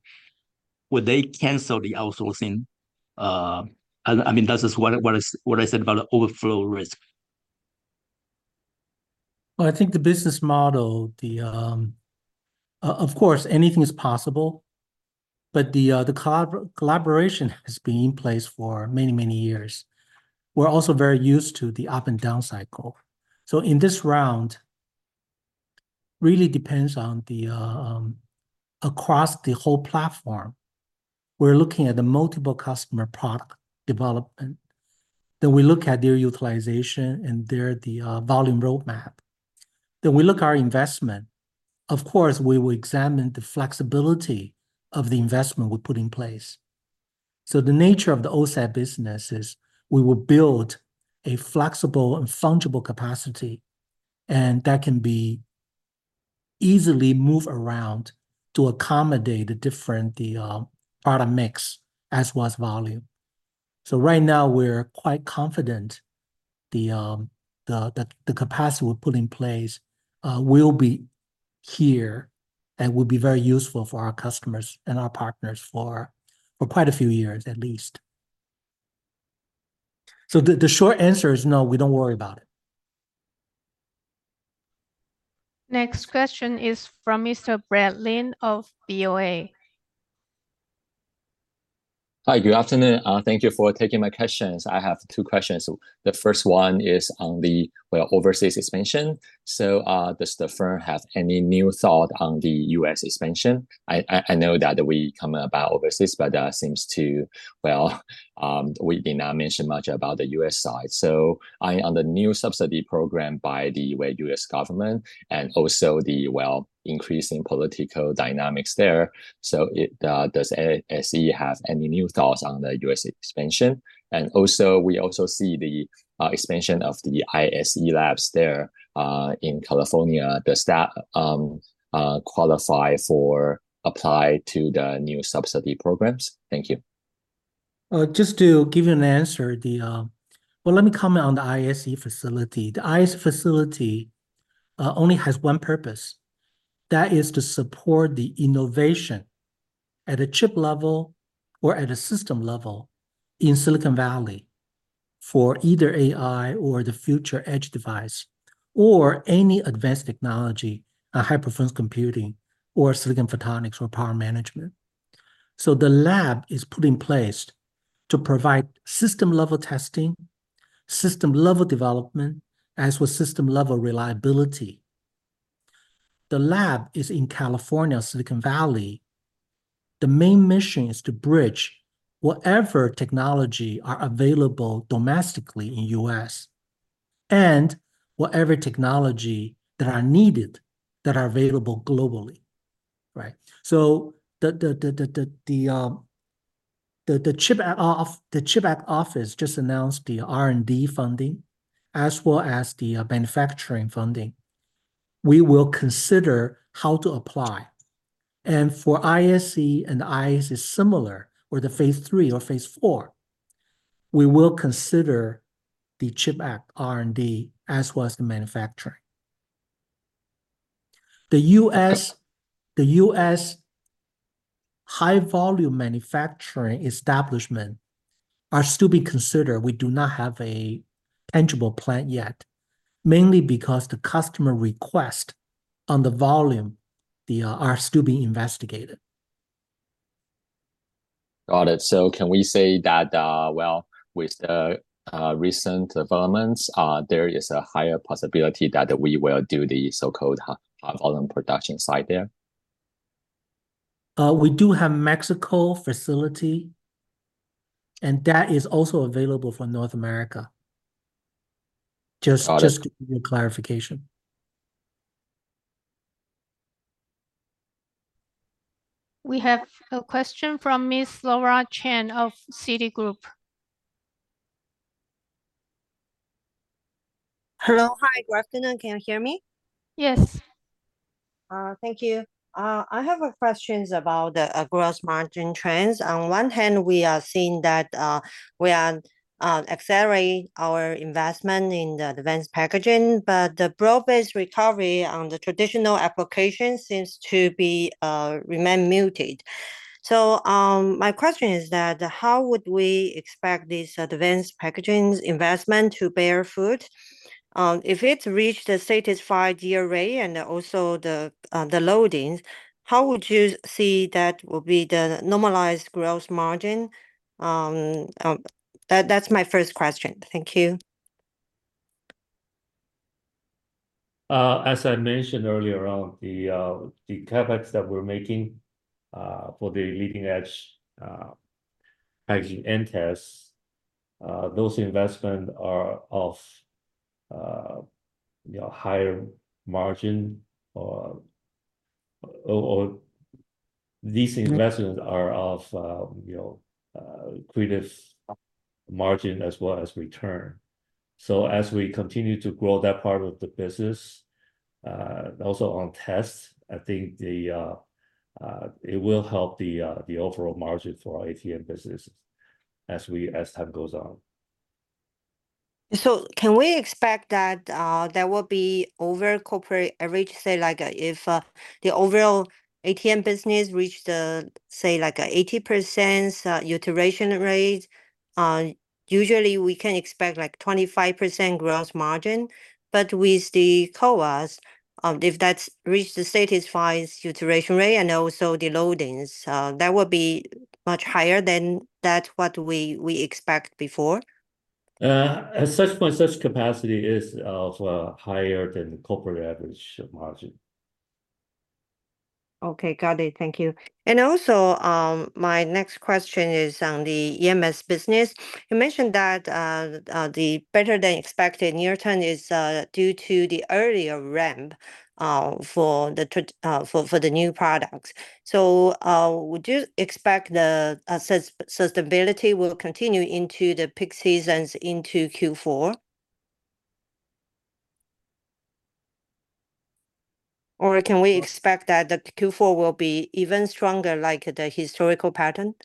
would they cancel the outsourcing? I mean, that's just what I said about the overflow risk. Well, I think the business model, of course, anything is possible. But the collaboration has been in place for many, many years. We're also very used to the up and down cycle. So in this round, it really depends on across the whole platform. We're looking at the multiple customer product development. Then we look at their utilization and their volume roadmap. Then we look at our investment. Of course, we will examine the flexibility of the investment we put in place. So the nature of the OSAT business is we will build a flexible and fungible capacity. And that can be easily moved around to accommodate the different product mix as well as volume. So right now, we're quite confident the capacity we put in place will be here and will be very useful for our customers and our partners for quite a few years at least. So the short answer is no, we don't worry about it. Next question is from Mr. Brad Lin of Bank of America. Hi. Good afternoon. Thank you for taking my questions. I have two questions. The first one is on the overseas expansion. So does the firm have any new thought on the US expansion? I know that we comment about overseas, but that seems to, well, we did not mention much about the US side. So I am on the new subsidy program by the US government and also the, well, increasing political dynamics there. So does ASE have any new thoughts on the U.S. expansion? And we also see the expansion of the ISE Labs there in California. Does that qualify for apply to the new subsidy programs? Thank you. Just to give you an answer, well, let me comment on the ISE facility. The ISE facility only has one purpose. That is to support the innovation at a chip level or at a system level in Silicon Valley for either AI or the future edge device or any advanced technology, high-performance computing, or silicon photonics or power management. So the lab is put in place to provide system-level testing, system-level development, as well as system-level reliability. The lab is in California, Silicon Valley. The main mission is to bridge whatever technology is available domestically in the U.S. and whatever technology that is needed that is available globally. Right? So the CHIPS office just announced the R&D funding as well as the manufacturing funding. We will consider how to apply. And for ISE and IS is similar or the phase three or phase four, we will consider the CHIPS Act R&D as well as the manufacturing. The U.S. high-volume manufacturing establishment is to be considered. We do not have a tangible plant yet, mainly because the customer request on the volume are still being investigated. Got it. So can we say that, well, with the recent developments, there is a higher possibility that we will do the so-called high-volume production site there? We do have a Mexico facility. And that is also available for North America. Just to give you a clarification. We have a question from Ms. Laura Chen of Citigroup. Hello. Hi. Good afternoon. Can you hear me? Yes. Thank you. I have questions about the gross margin trends. On one hand, we are seeing that we are accelerating our investment in the advanced packaging. But the broad-based recovery on the traditional application seems to remain muted. So my question is that how would we expect this advanced packaging investment to bear fruit? If it reached the satisfied DRA and also the loadings, how would you see that will be the normalized gross margin? That's my first question. Thank you. As I mentioned earlier on, the CapEx that we're making for the leading-edge packaging and tests, those investments are of higher margin. These investments are of previous margin as well as return. So as we continue to grow that part of the business, also on test, I think it will help the overall margin for our ATM business as time goes on. So, can we expect that there will be overall corporate average, say, if the overall ATM business reached, say, 80% utilization rate, usually we can expect 25% gross margin. But with the costs, if that reached the satisfactory utilization rate and also the loadings, that would be much higher than what we expected before. At such point, such capacity is of higher than the corporate average margin. Okay. Got it. Thank you. And also, my next question is on the EMS business. You mentioned that the better than expected near-term is due to the earlier ramp for the new products. So would you expect the sustainability will continue into the peak seasons into Q4? Or can we expect that the Q4 will be even stronger like the historical pattern?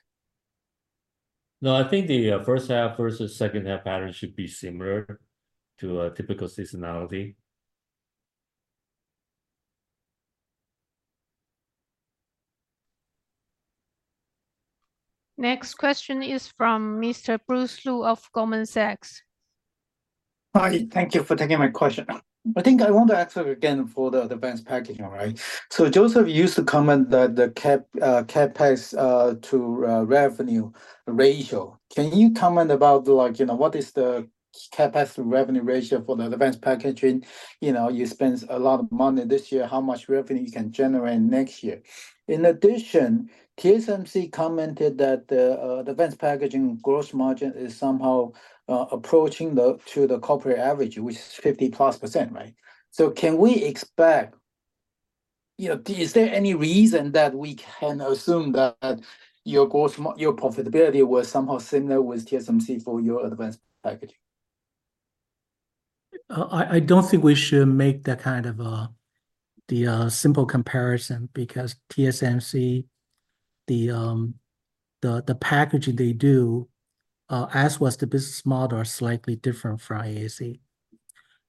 No, I think the first half versus second half pattern should be similar to a typical seasonality. Next question is from Mr. Bruce Lu of Goldman Sachs. Hi. Thank you for taking my question. I think I want to ask again for the advanced packaging, right? So Joseph used to comment that the CapEx to revenue ratio. Can you comment about what is the CapEx revenue ratio for the advanced packaging? You spent a lot of money this year. How much revenue you can generate next year? In addition, TSMC commented that the advanced packaging gross margin is somehow approaching to the corporate average, which is 50%+, right? So can we expect is there any reason that we can assume that your profitability was somehow similar with TSMC for your advanced packaging? I don't think we should make that kind of a simple comparison because TSMC, the packaging they do as well as the business model are slightly different from ASE.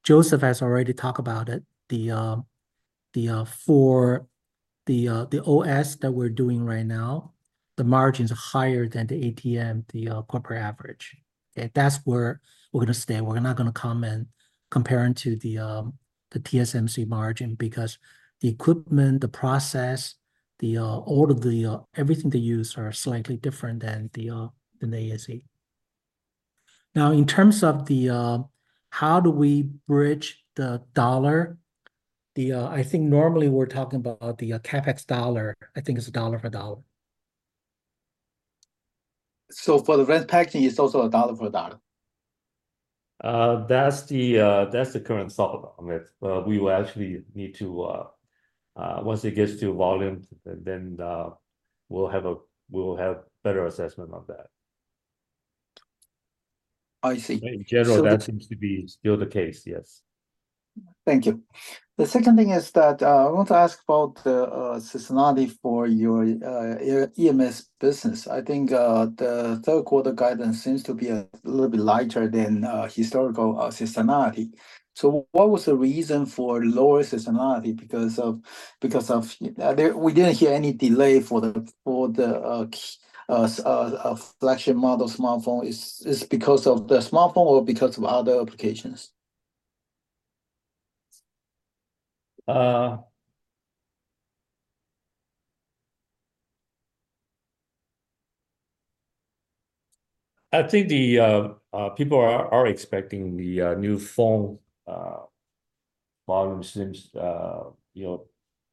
Joseph has already talked about it. The OS that we're doing right now, the margins are higher than the ATM, the corporate average. And that's where we're going to stay. We're not going to comment comparing to the TSMC margin because the equipment, the process, all of the everything they use are slightly different than the ASE. Now, in terms of how do we bridge the dollar, I think normally we're talking about the CapEx dollar. I think it's a dollar for a dollar. So for the advanced packaging, it's also a dollar for a dollar? That's the current thought. We will actually need to once it gets to volume, then we'll have a better assessment of that. I see. In general, that seems to be still the case. Yes. Thank you. The second thing is that I want to ask about the seasonality for your EMS business. I think the third-quarter guidance seems to be a little bit lighter than historical seasonality. So what was the reason for lower seasonality? Because we didn't hear any delay for the flagship model smartphone. Is it because of the smartphone or because of other applications? I think people are expecting the new phone volume.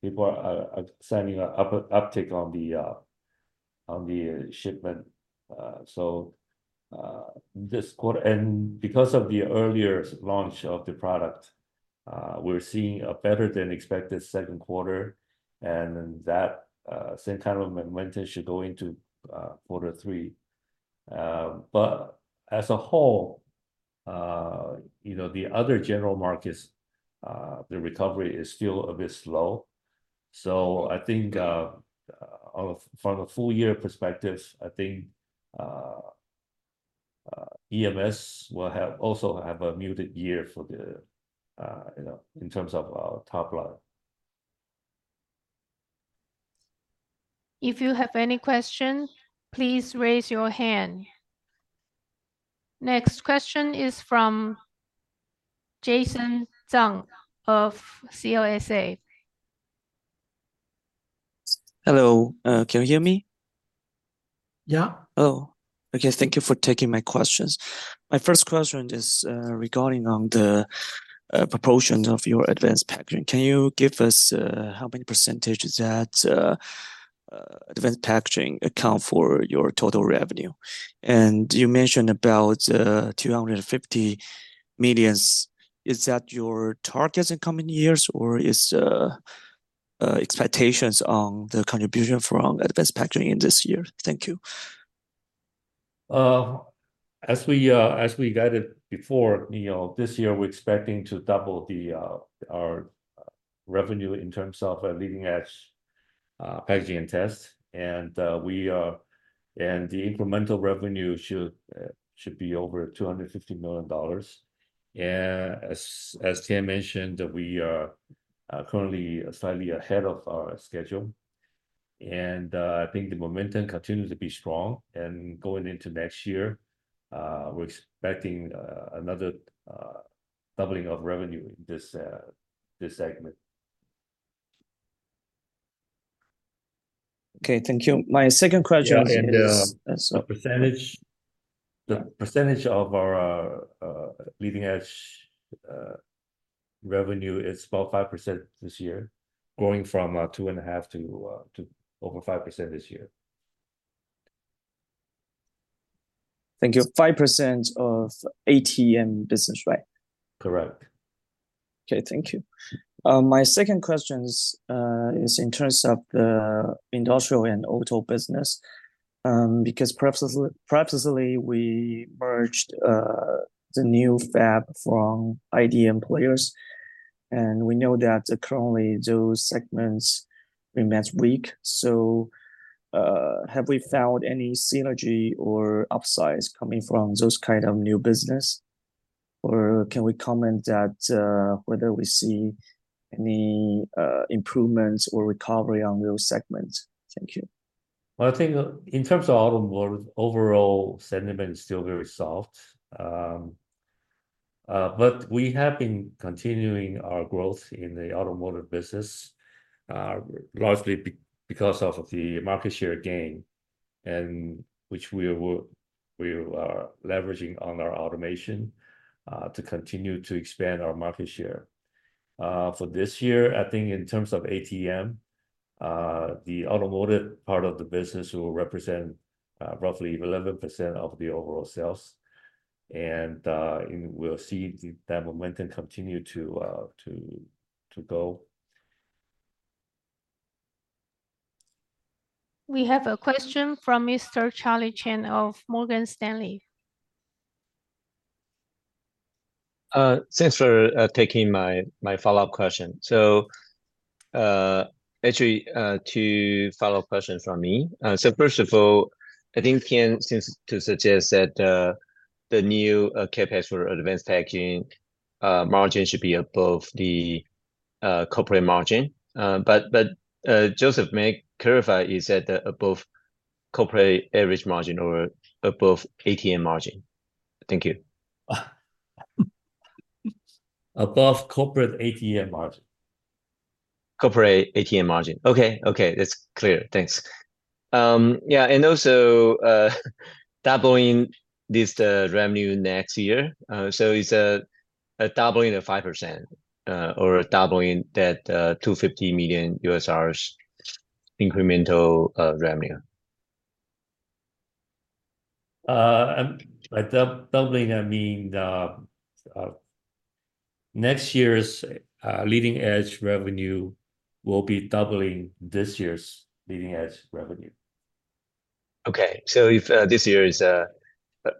People are signing up an uptick on the shipment. So this quarter, and because of the earlier launch of the product, we're seeing a better than expected second quarter. And that same kind of momentum should go into quarter three. But as a whole, the other general markets, the recovery is still a bit slow. So I think from a full-year perspective, I think EMS will also have a muted year in terms of top line. If you have any questions, please raise your hand. Next question is from Jason Zhang of CLSA. Hello. Can you hear me? Yeah. Okay. Thank you for taking my questions. My first question is regarding the proportion of your advanced packaging. Can you give us how many percentage is that advanced packaging accounts for your total revenue? And you mentioned about $250 million. Is that your target in coming years, or is the expectations on the contribution from advanced packaging in this year? Thank you. As we guided before, this year, we're expecting to double our revenue in terms of leading-edge packaging and tests. And the incremental revenue should be over $250 million. And as Tien mentioned, we are currently slightly ahead of our schedule. And I think the momentum continues to be strong. And going into next year, we're expecting another doubling of revenue in this segment. Okay. Thank you. My second question is... The percentage of our leading-edge revenue is about 5% this year, growing from 2.5% to over 5% this year. Thank you. 5% of ATM business, right? Correct. Okay. Thank you. My second question is in terms of the industrial and auto business because purposefully, we merged the new fab from IDM players. And we know that currently, those segments remain weak. So have we found any synergy or upsides coming from those kinds of new business? Or can we comment that whether we see any improvements or recovery on those segments? Thank you. Well, I think in terms of automotive, overall sentiment is still very soft. But we have been continuing our growth in the automotive business largely because of the market share gain, which we are leveraging on our automation to continue to expand our market share. For this year, I think in terms of ATM, the automotive part of the business will represent roughly 11% of the overall sales. We'll see that momentum continue to go. We have a question from Mr. Charlie Chan of Morgan Stanley. Thanks for taking my follow-up question. Actually, two follow-up questions from me. First of all, I think ATM seems to suggest that the new CapEx or advanced packaging margin should be above the corporate margin. But Joseph may clarify is that above corporate average margin or above ATM margin. Thank you. Above corporate ATM margin. Corporate ATM margin. Okay. Okay. That's clear. Thanks. Yeah. Also doubling this revenue next year. So it's a doubling of 5% or doubling that $250 million incremental revenue. By doubling, I mean next year's leading-edge revenue will be doubling this year's leading-edge revenue. Okay. So if this year is around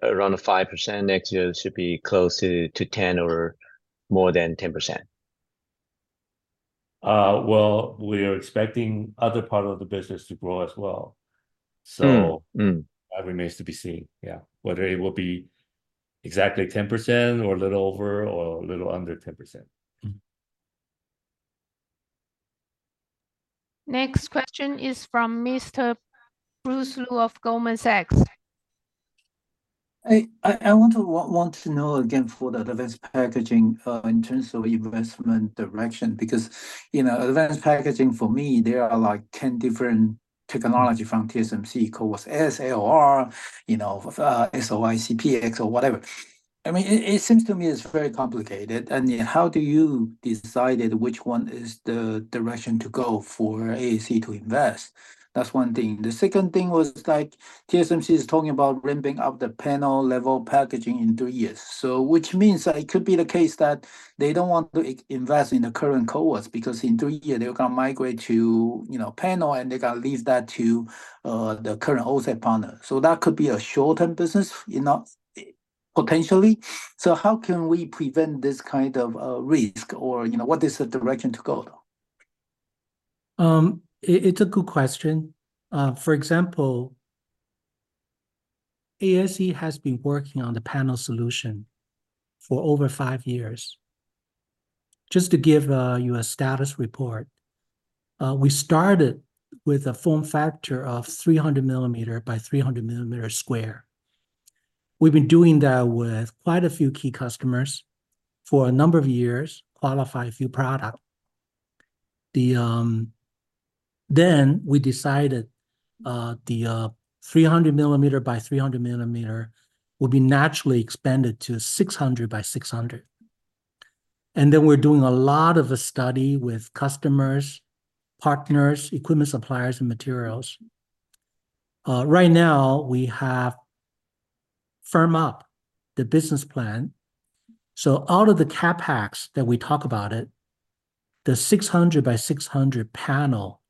5%, next year should be close to 10% or more than 10%. Well, we are expecting other parts of the business to grow as well. So that remains to be seen, yeah, whether it will be exactly 10% or a little over or a little under 10%. Next question is from Mr. Bruce Lu of Goldman Sachs. I want to know again for the advanced packaging in terms of investment direction because advanced packaging, for me, there are like 10 different technologies from TSMC, CoWoS, S, L, R, SOIC, P, X, or whatever. I mean, it seems to me it's very complicated. And how do you decide which one is the direction to go for ASE to invest? That's one thing. The second thing was TSMC is talking about ramping up the panel-level packaging in three years, which means it could be the case that they don't want to invest in the current CoWoS because in three years, they're going to migrate to panel, and they're going to leave that to the current OSAT partner. So that could be a short-term business, potentially. So how can we prevent this kind of risk, or what is the direction to go? It's a good question. For example, ASE has been working on the panel solution for over five years. Just to give you a status report, we started with a form factor of 300 mm by 300 mm². We've been doing that with quite a few key customers for a number of years, qualify a few products. Then we decided the 300 mm by 300 mm would be naturally expanded to 600 by 600. Then we're doing a lot of study with customers, partners, equipment suppliers, and materials. Right now, we have firmed up the business plan. So out of the CapEx that we talked about, the 600 mm by 600 mm panel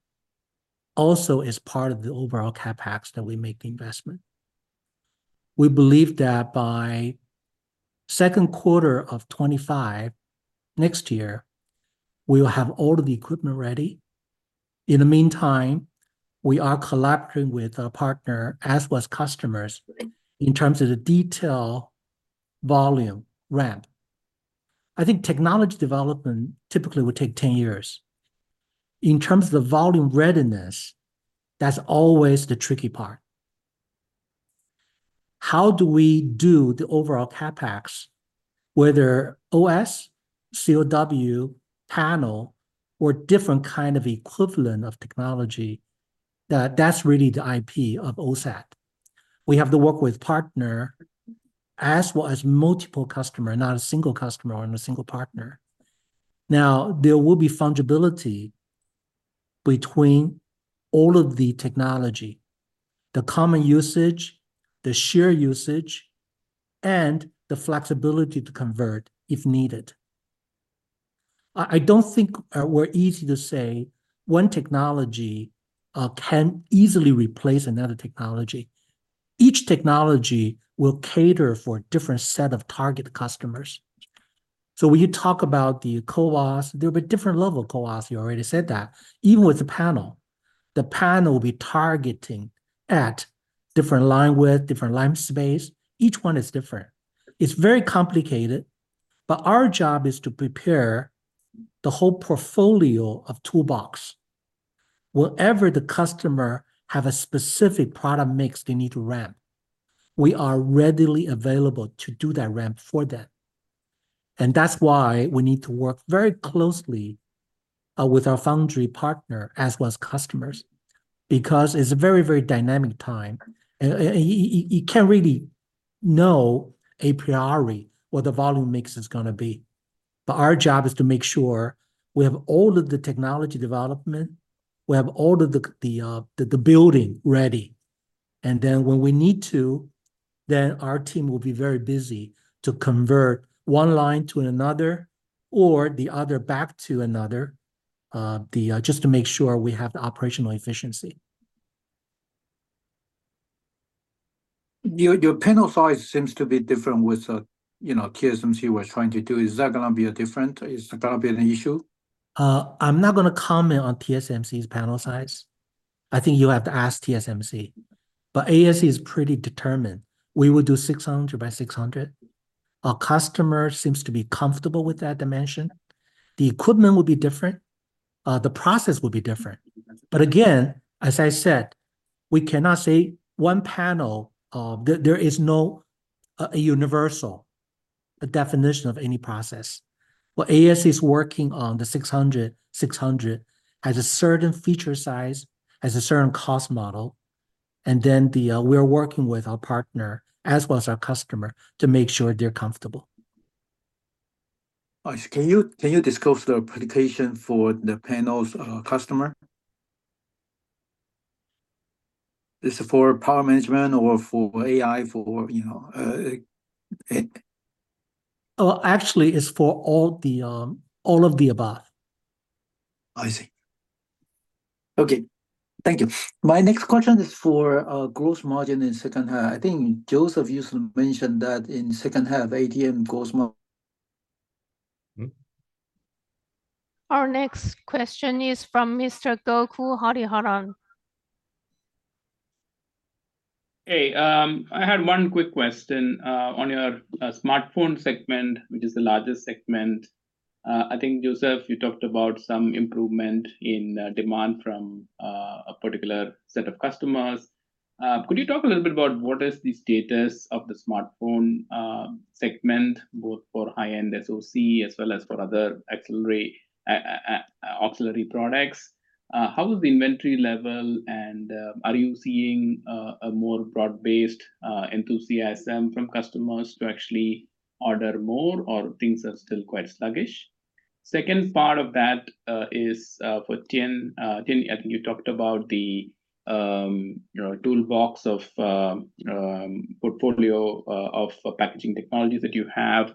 also is part of the overall CapEx that we make the investment. We believe that by second quarter of 2025 next year, we will have all of the equipment ready. In the meantime, we are collaborating with our partners as well as customers in terms of the detail volume ramp. I think technology development typically would take 10 years. In terms of the volume readiness, that's always the tricky part. How do we do the overall CapEx, whether OS, CoW, panel, or different kinds of equivalent of technology? That's really the IP of OSAT. We have to work with partners as well as multiple customers, not a single customer or a single partner. Now, there will be fungibility between all of the technology: the common usage, the shared usage, and the flexibility to convert if needed. I don't think we're easy to say one technology can easily replace another technology. Each technology will cater for a different set of target customers. So when you talk about the CoWoS, there will be different levels of CoWoS. You already said that. Even with the panel, the panel will be targeting at different line widths, different line spaces. Each one is different. It's very complicated. But our job is to prepare the whole portfolio of toolbox. Wherever the customer has a specific product mix they need to ramp, we are readily available to do that ramp for them. And that's why we need to work very closely with our foundry partners as well as customers because it's a very, very dynamic time. And you can't really know a priori what the volume mix is going to be. But our job is to make sure we have all of the technology development. We have all of the building ready. And then when we need to, then our team will be very busy to convert one line to another or the other back to another just to make sure we have the operational efficiency. Your panel size seems to be different with TSMC was trying to do. Is that going to be different? Is that going to be an issue? I'm not going to comment on TSMC's panel size. I think you have to ask TSMC. But ASE is pretty determined. We will do 600 mm by 600 mm. Our customer seems to be comfortable with that dimension. The equipment will be different. The process will be different. But again, as I said, we cannot say one panel; there is no universal definition of any process. What ASE is working on, the 600 mm by 600 mm, has a certain feature size, has a certain cost model and then we are working with our partner as well as our customer to make sure they're comfortable. Can you disclose the application for the panel's customer? Is it for power management or for AI? Actually, it's for all of the above. I see. Okay. Thank you. My next question is for gross margin in second half. I think Joseph mentioned that in second half, ATM gross margin. Our next question is from Mr. Gokul Hariharan. Hey, I had one quick question. On your smartphone segment, which is the largest segment, I think, Joseph, you talked about some improvement in demand from a particular set of customers. Could you talk a little bit about what is the status of the smartphone segment, both for high-end SoC as well as for other auxiliary products? How is the inventory level? And are you seeing a more broad-based enthusiasm from customers to actually order more, or things are still quite sluggish? Second part of that is for Tien. I think you talked about the toolbox of portfolio of packaging technologies that you have.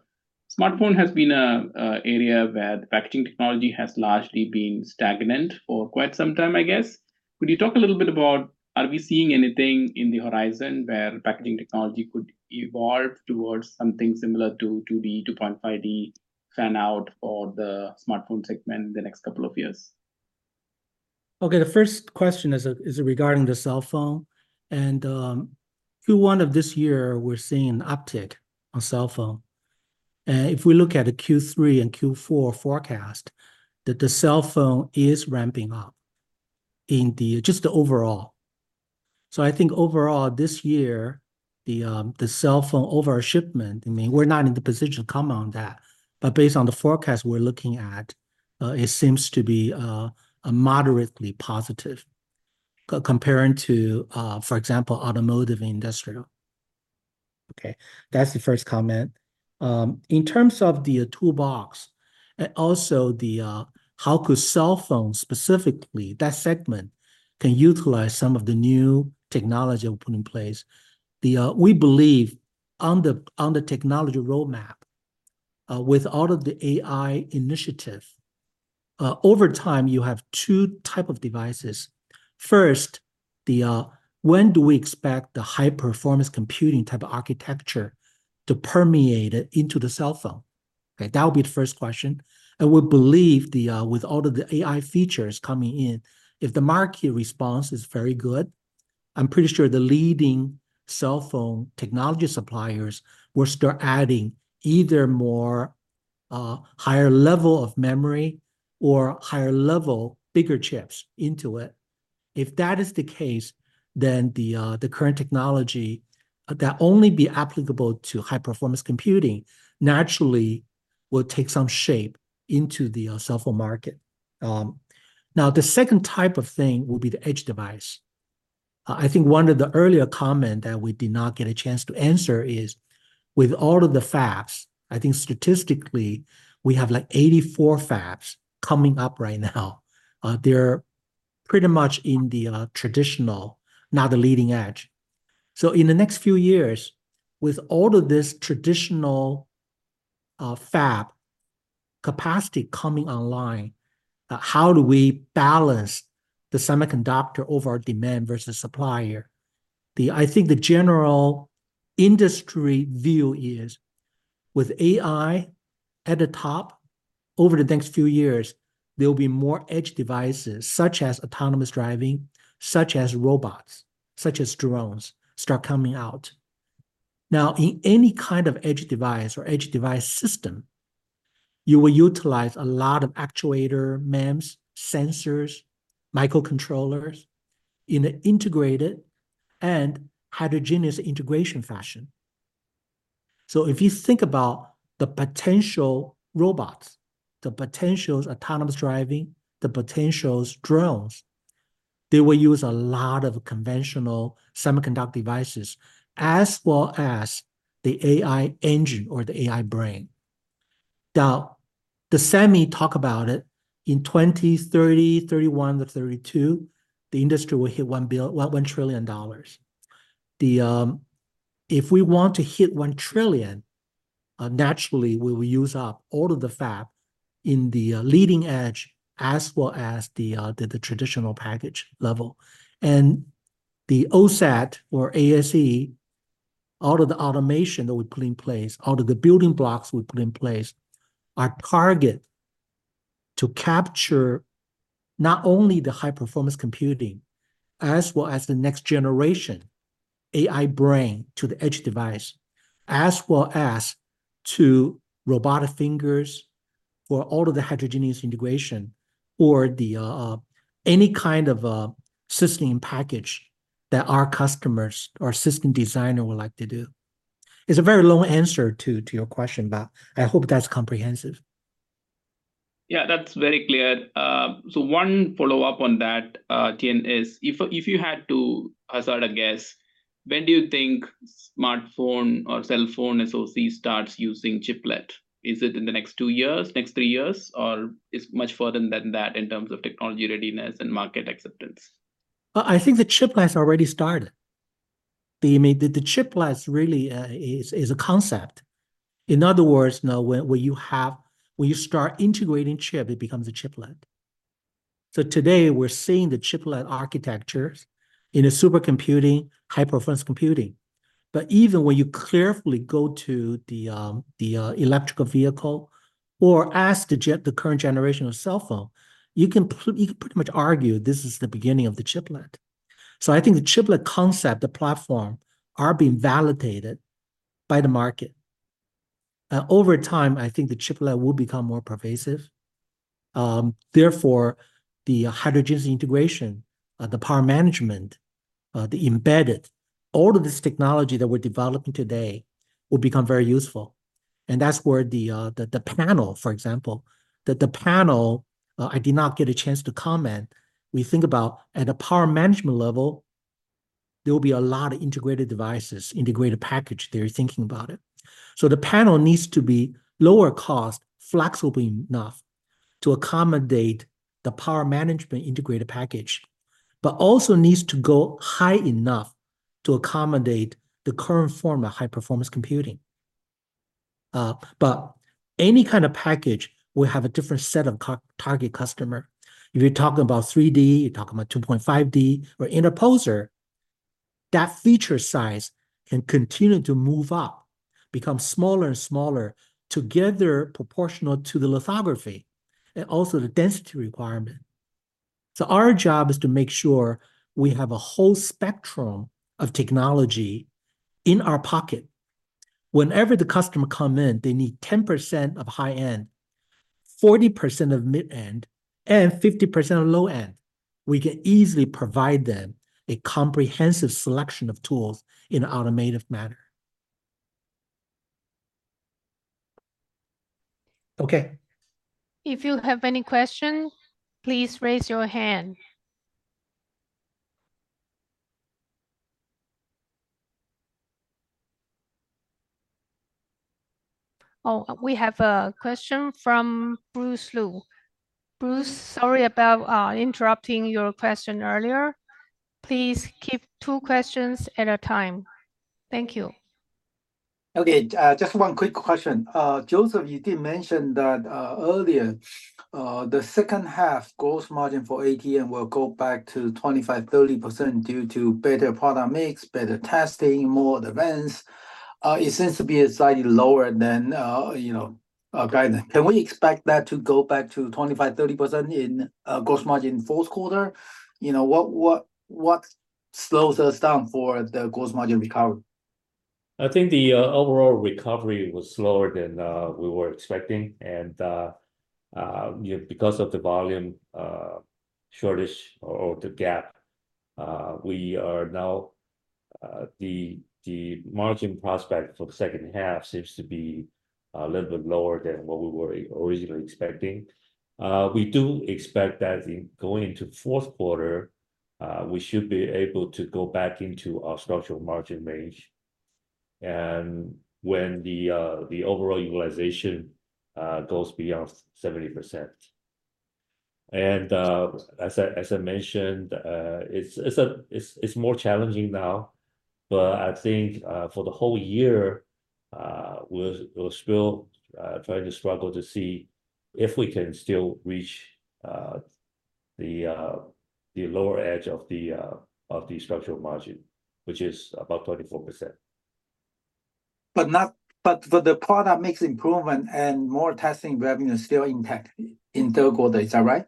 Smartphone has been an area where packaging technology has largely been stagnant for quite some time, I guess. Could you talk a little bit about are we seeing anything in the horizon where packaging technology could evolve towards something similar to 2D, 2.5D fan-out for the smartphone segment in the next couple of years? Okay. The first question is regarding the cell phone. Q1 of this year, we're seeing an uptick on cell phone. If we look at the Q3 and Q4 forecast, the cell phone is ramping up in just the overall. So I think overall, this year, the cell phone overall shipment, I mean, we're not in the position to comment on that. But based on the forecast we're looking at, it seems to be moderately positive compared to, for example, automotive and industrial. Okay. That's the first comment. In terms of the toolbox and also how could cell phones specifically, that segment, can utilize some of the new technology we put in place. We believe on the technology roadmap, with all of the AI initiatives, over time, you have two types of devices. First, when do we expect the high-performance computing type of architecture to permeate into the cell phone? That would be the first question. And we believe with all of the AI features coming in, if the market response is very good, I'm pretty sure the leading cell phone technology suppliers will start adding either more higher level of memory or higher level, bigger chips into it. If that is the case, then the current technology that only be applicable to high-performance computing naturally will take some shape into the cell phone market. Now, the second type of thing will be the edge device. I think one of the earlier comments that we did not get a chance to answer is with all of the fabs. I think statistically, we have like 84 fabs coming up right now. They're pretty much in the traditional, not the leading edge. So in the next few years, with all of this traditional fab capacity coming online, how do we balance the semiconductor overall demand versus supplier? I think the general industry view is with AI at the top. Over the next few years, there will be more edge devices such as autonomous driving, such as robots, such as drones start coming out. Now, in any kind of edge device or edge device system, you will utilize a lot of actuator, MEMS, sensors, microcontrollers in an integrated and heterogeneous integration fashion. So if you think about the potential robots, the potential autonomous driving, the potential drones, they will use a lot of conventional semiconductor devices as well as the AI engine or the AI brain. Now, the SEMI talked about it in 2030, 2031, or 2032, the industry will hit $1 trillion. If we want to hit $1 trillion, naturally, we will use up all of the fab in the leading edge as well as the traditional package level. And the OSAT or ASE, all of the automation that we put in place, all of the building blocks we put in place are targeted to capture not only the high-performance computing as well as the next generation AI brain to the edge device as well as to robotic fingers or all of the heterogeneous integration or any kind of system package that our customers or system designers would like to do. It's a very long answer to your question, but I hope that's comprehensive. Yeah, that's very clear. So one follow-up on that, Tien, is if you had to hazard a guess, when do you think smartphone or cell phone SoC starts using chiplet? Is it in the next two years, next three years, or is it much further than that in terms of technology readiness and market acceptance? I think the chiplets already started. The chiplets really is a concept. In other words, when you start integrating chip, it becomes a chiplet. So today, we're seeing the chiplet architectures in supercomputing, high-performance computing. But even when you carefully go to the electric vehicle or at the current generation of cell phone, you can pretty much argue this is the beginning of the chiplet. So I think the chiplet concept, the platform, are being validated by the market. Over time, I think the chiplet will become more pervasive. Therefore, the heterogeneous integration, the power management, the embedded, all of this technology that we're developing today will become very useful. And that's where the panel, for example, the panel, I did not get a chance to comment. We think about at a power management level, there will be a lot of integrated devices, integrated package they're thinking about it. So the panel needs to be lower cost, flexible enough to accommodate the power management integrated package, but also needs to go high enough to accommodate the current form of high-performance computing. But any kind of package will have a different set of target customers. If you're talking about 3D, you're talking about 2.5D or interposer, that feature size can continue to move up, become smaller and smaller together proportional to the lithography and also the density requirement. So our job is to make sure we have a whole spectrum of technology in our pocket. Whenever the customer comes in, they need 10% of high-end, 40% of mid-end, and 50% of low-end. We can easily provide them a comprehensive selection of tools in an automated manner. Okay. If you have any questions, please raise your hand. Oh, we have a question from Bruce Lu. Bruce, sorry about interrupting your question earlier. Please keep two questions at a time. Thank you. Okay. Just one quick question. Joseph, you did mention that earlier, the second half gross margin for ATM will go back to 25%-30% due to better product mix, better testing, more advanced. It seems to be slightly lower than guidance. Can we expect that to go back to 25%-30% in gross margin in fourth quarter? What slows us down for the gross margin recovery? I think the overall recovery was slower than we were expecting. And because of the volume shortage or the gap, we are now the margin prospect for the second half seems to be a little bit lower than what we were originally expecting. We do expect that going into fourth quarter, we should be able to go back into our structural margin range when the overall utilization goes beyond 70%. And as I mentioned, it's more challenging now. But I think for the whole year, we'll still try to struggle to see if we can still reach the lower edge of the structural margin, which is about 24%. But for the product mix improvement and more testing revenue is still intact in third quarter. Is that right?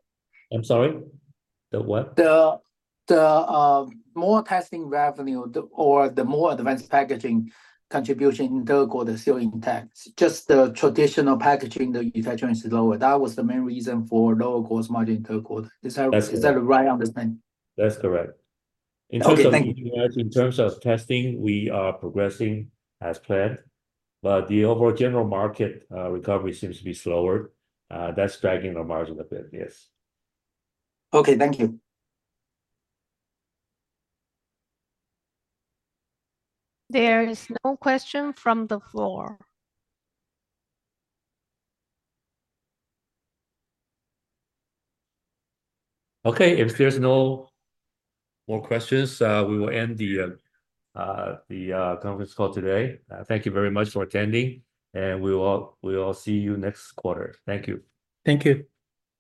I'm sorry? The what? The more testing revenue or the more advanced packaging contribution in third quarter is still intact. Just the traditional packaging, the utilization is lower. That was the main reason for lower gross margin in third quarter. Is that right? That's correct. In terms of testing, we are progressing as planned. But the overall general market recovery seems to be slower. That's dragging our margin a bit. Yes. Okay. Thank you. There is no question from the floor. Okay. If there's no more questions, we will end the conference call today. Thank you very much for attending. We will see you next quarter. Thank you. Thank you.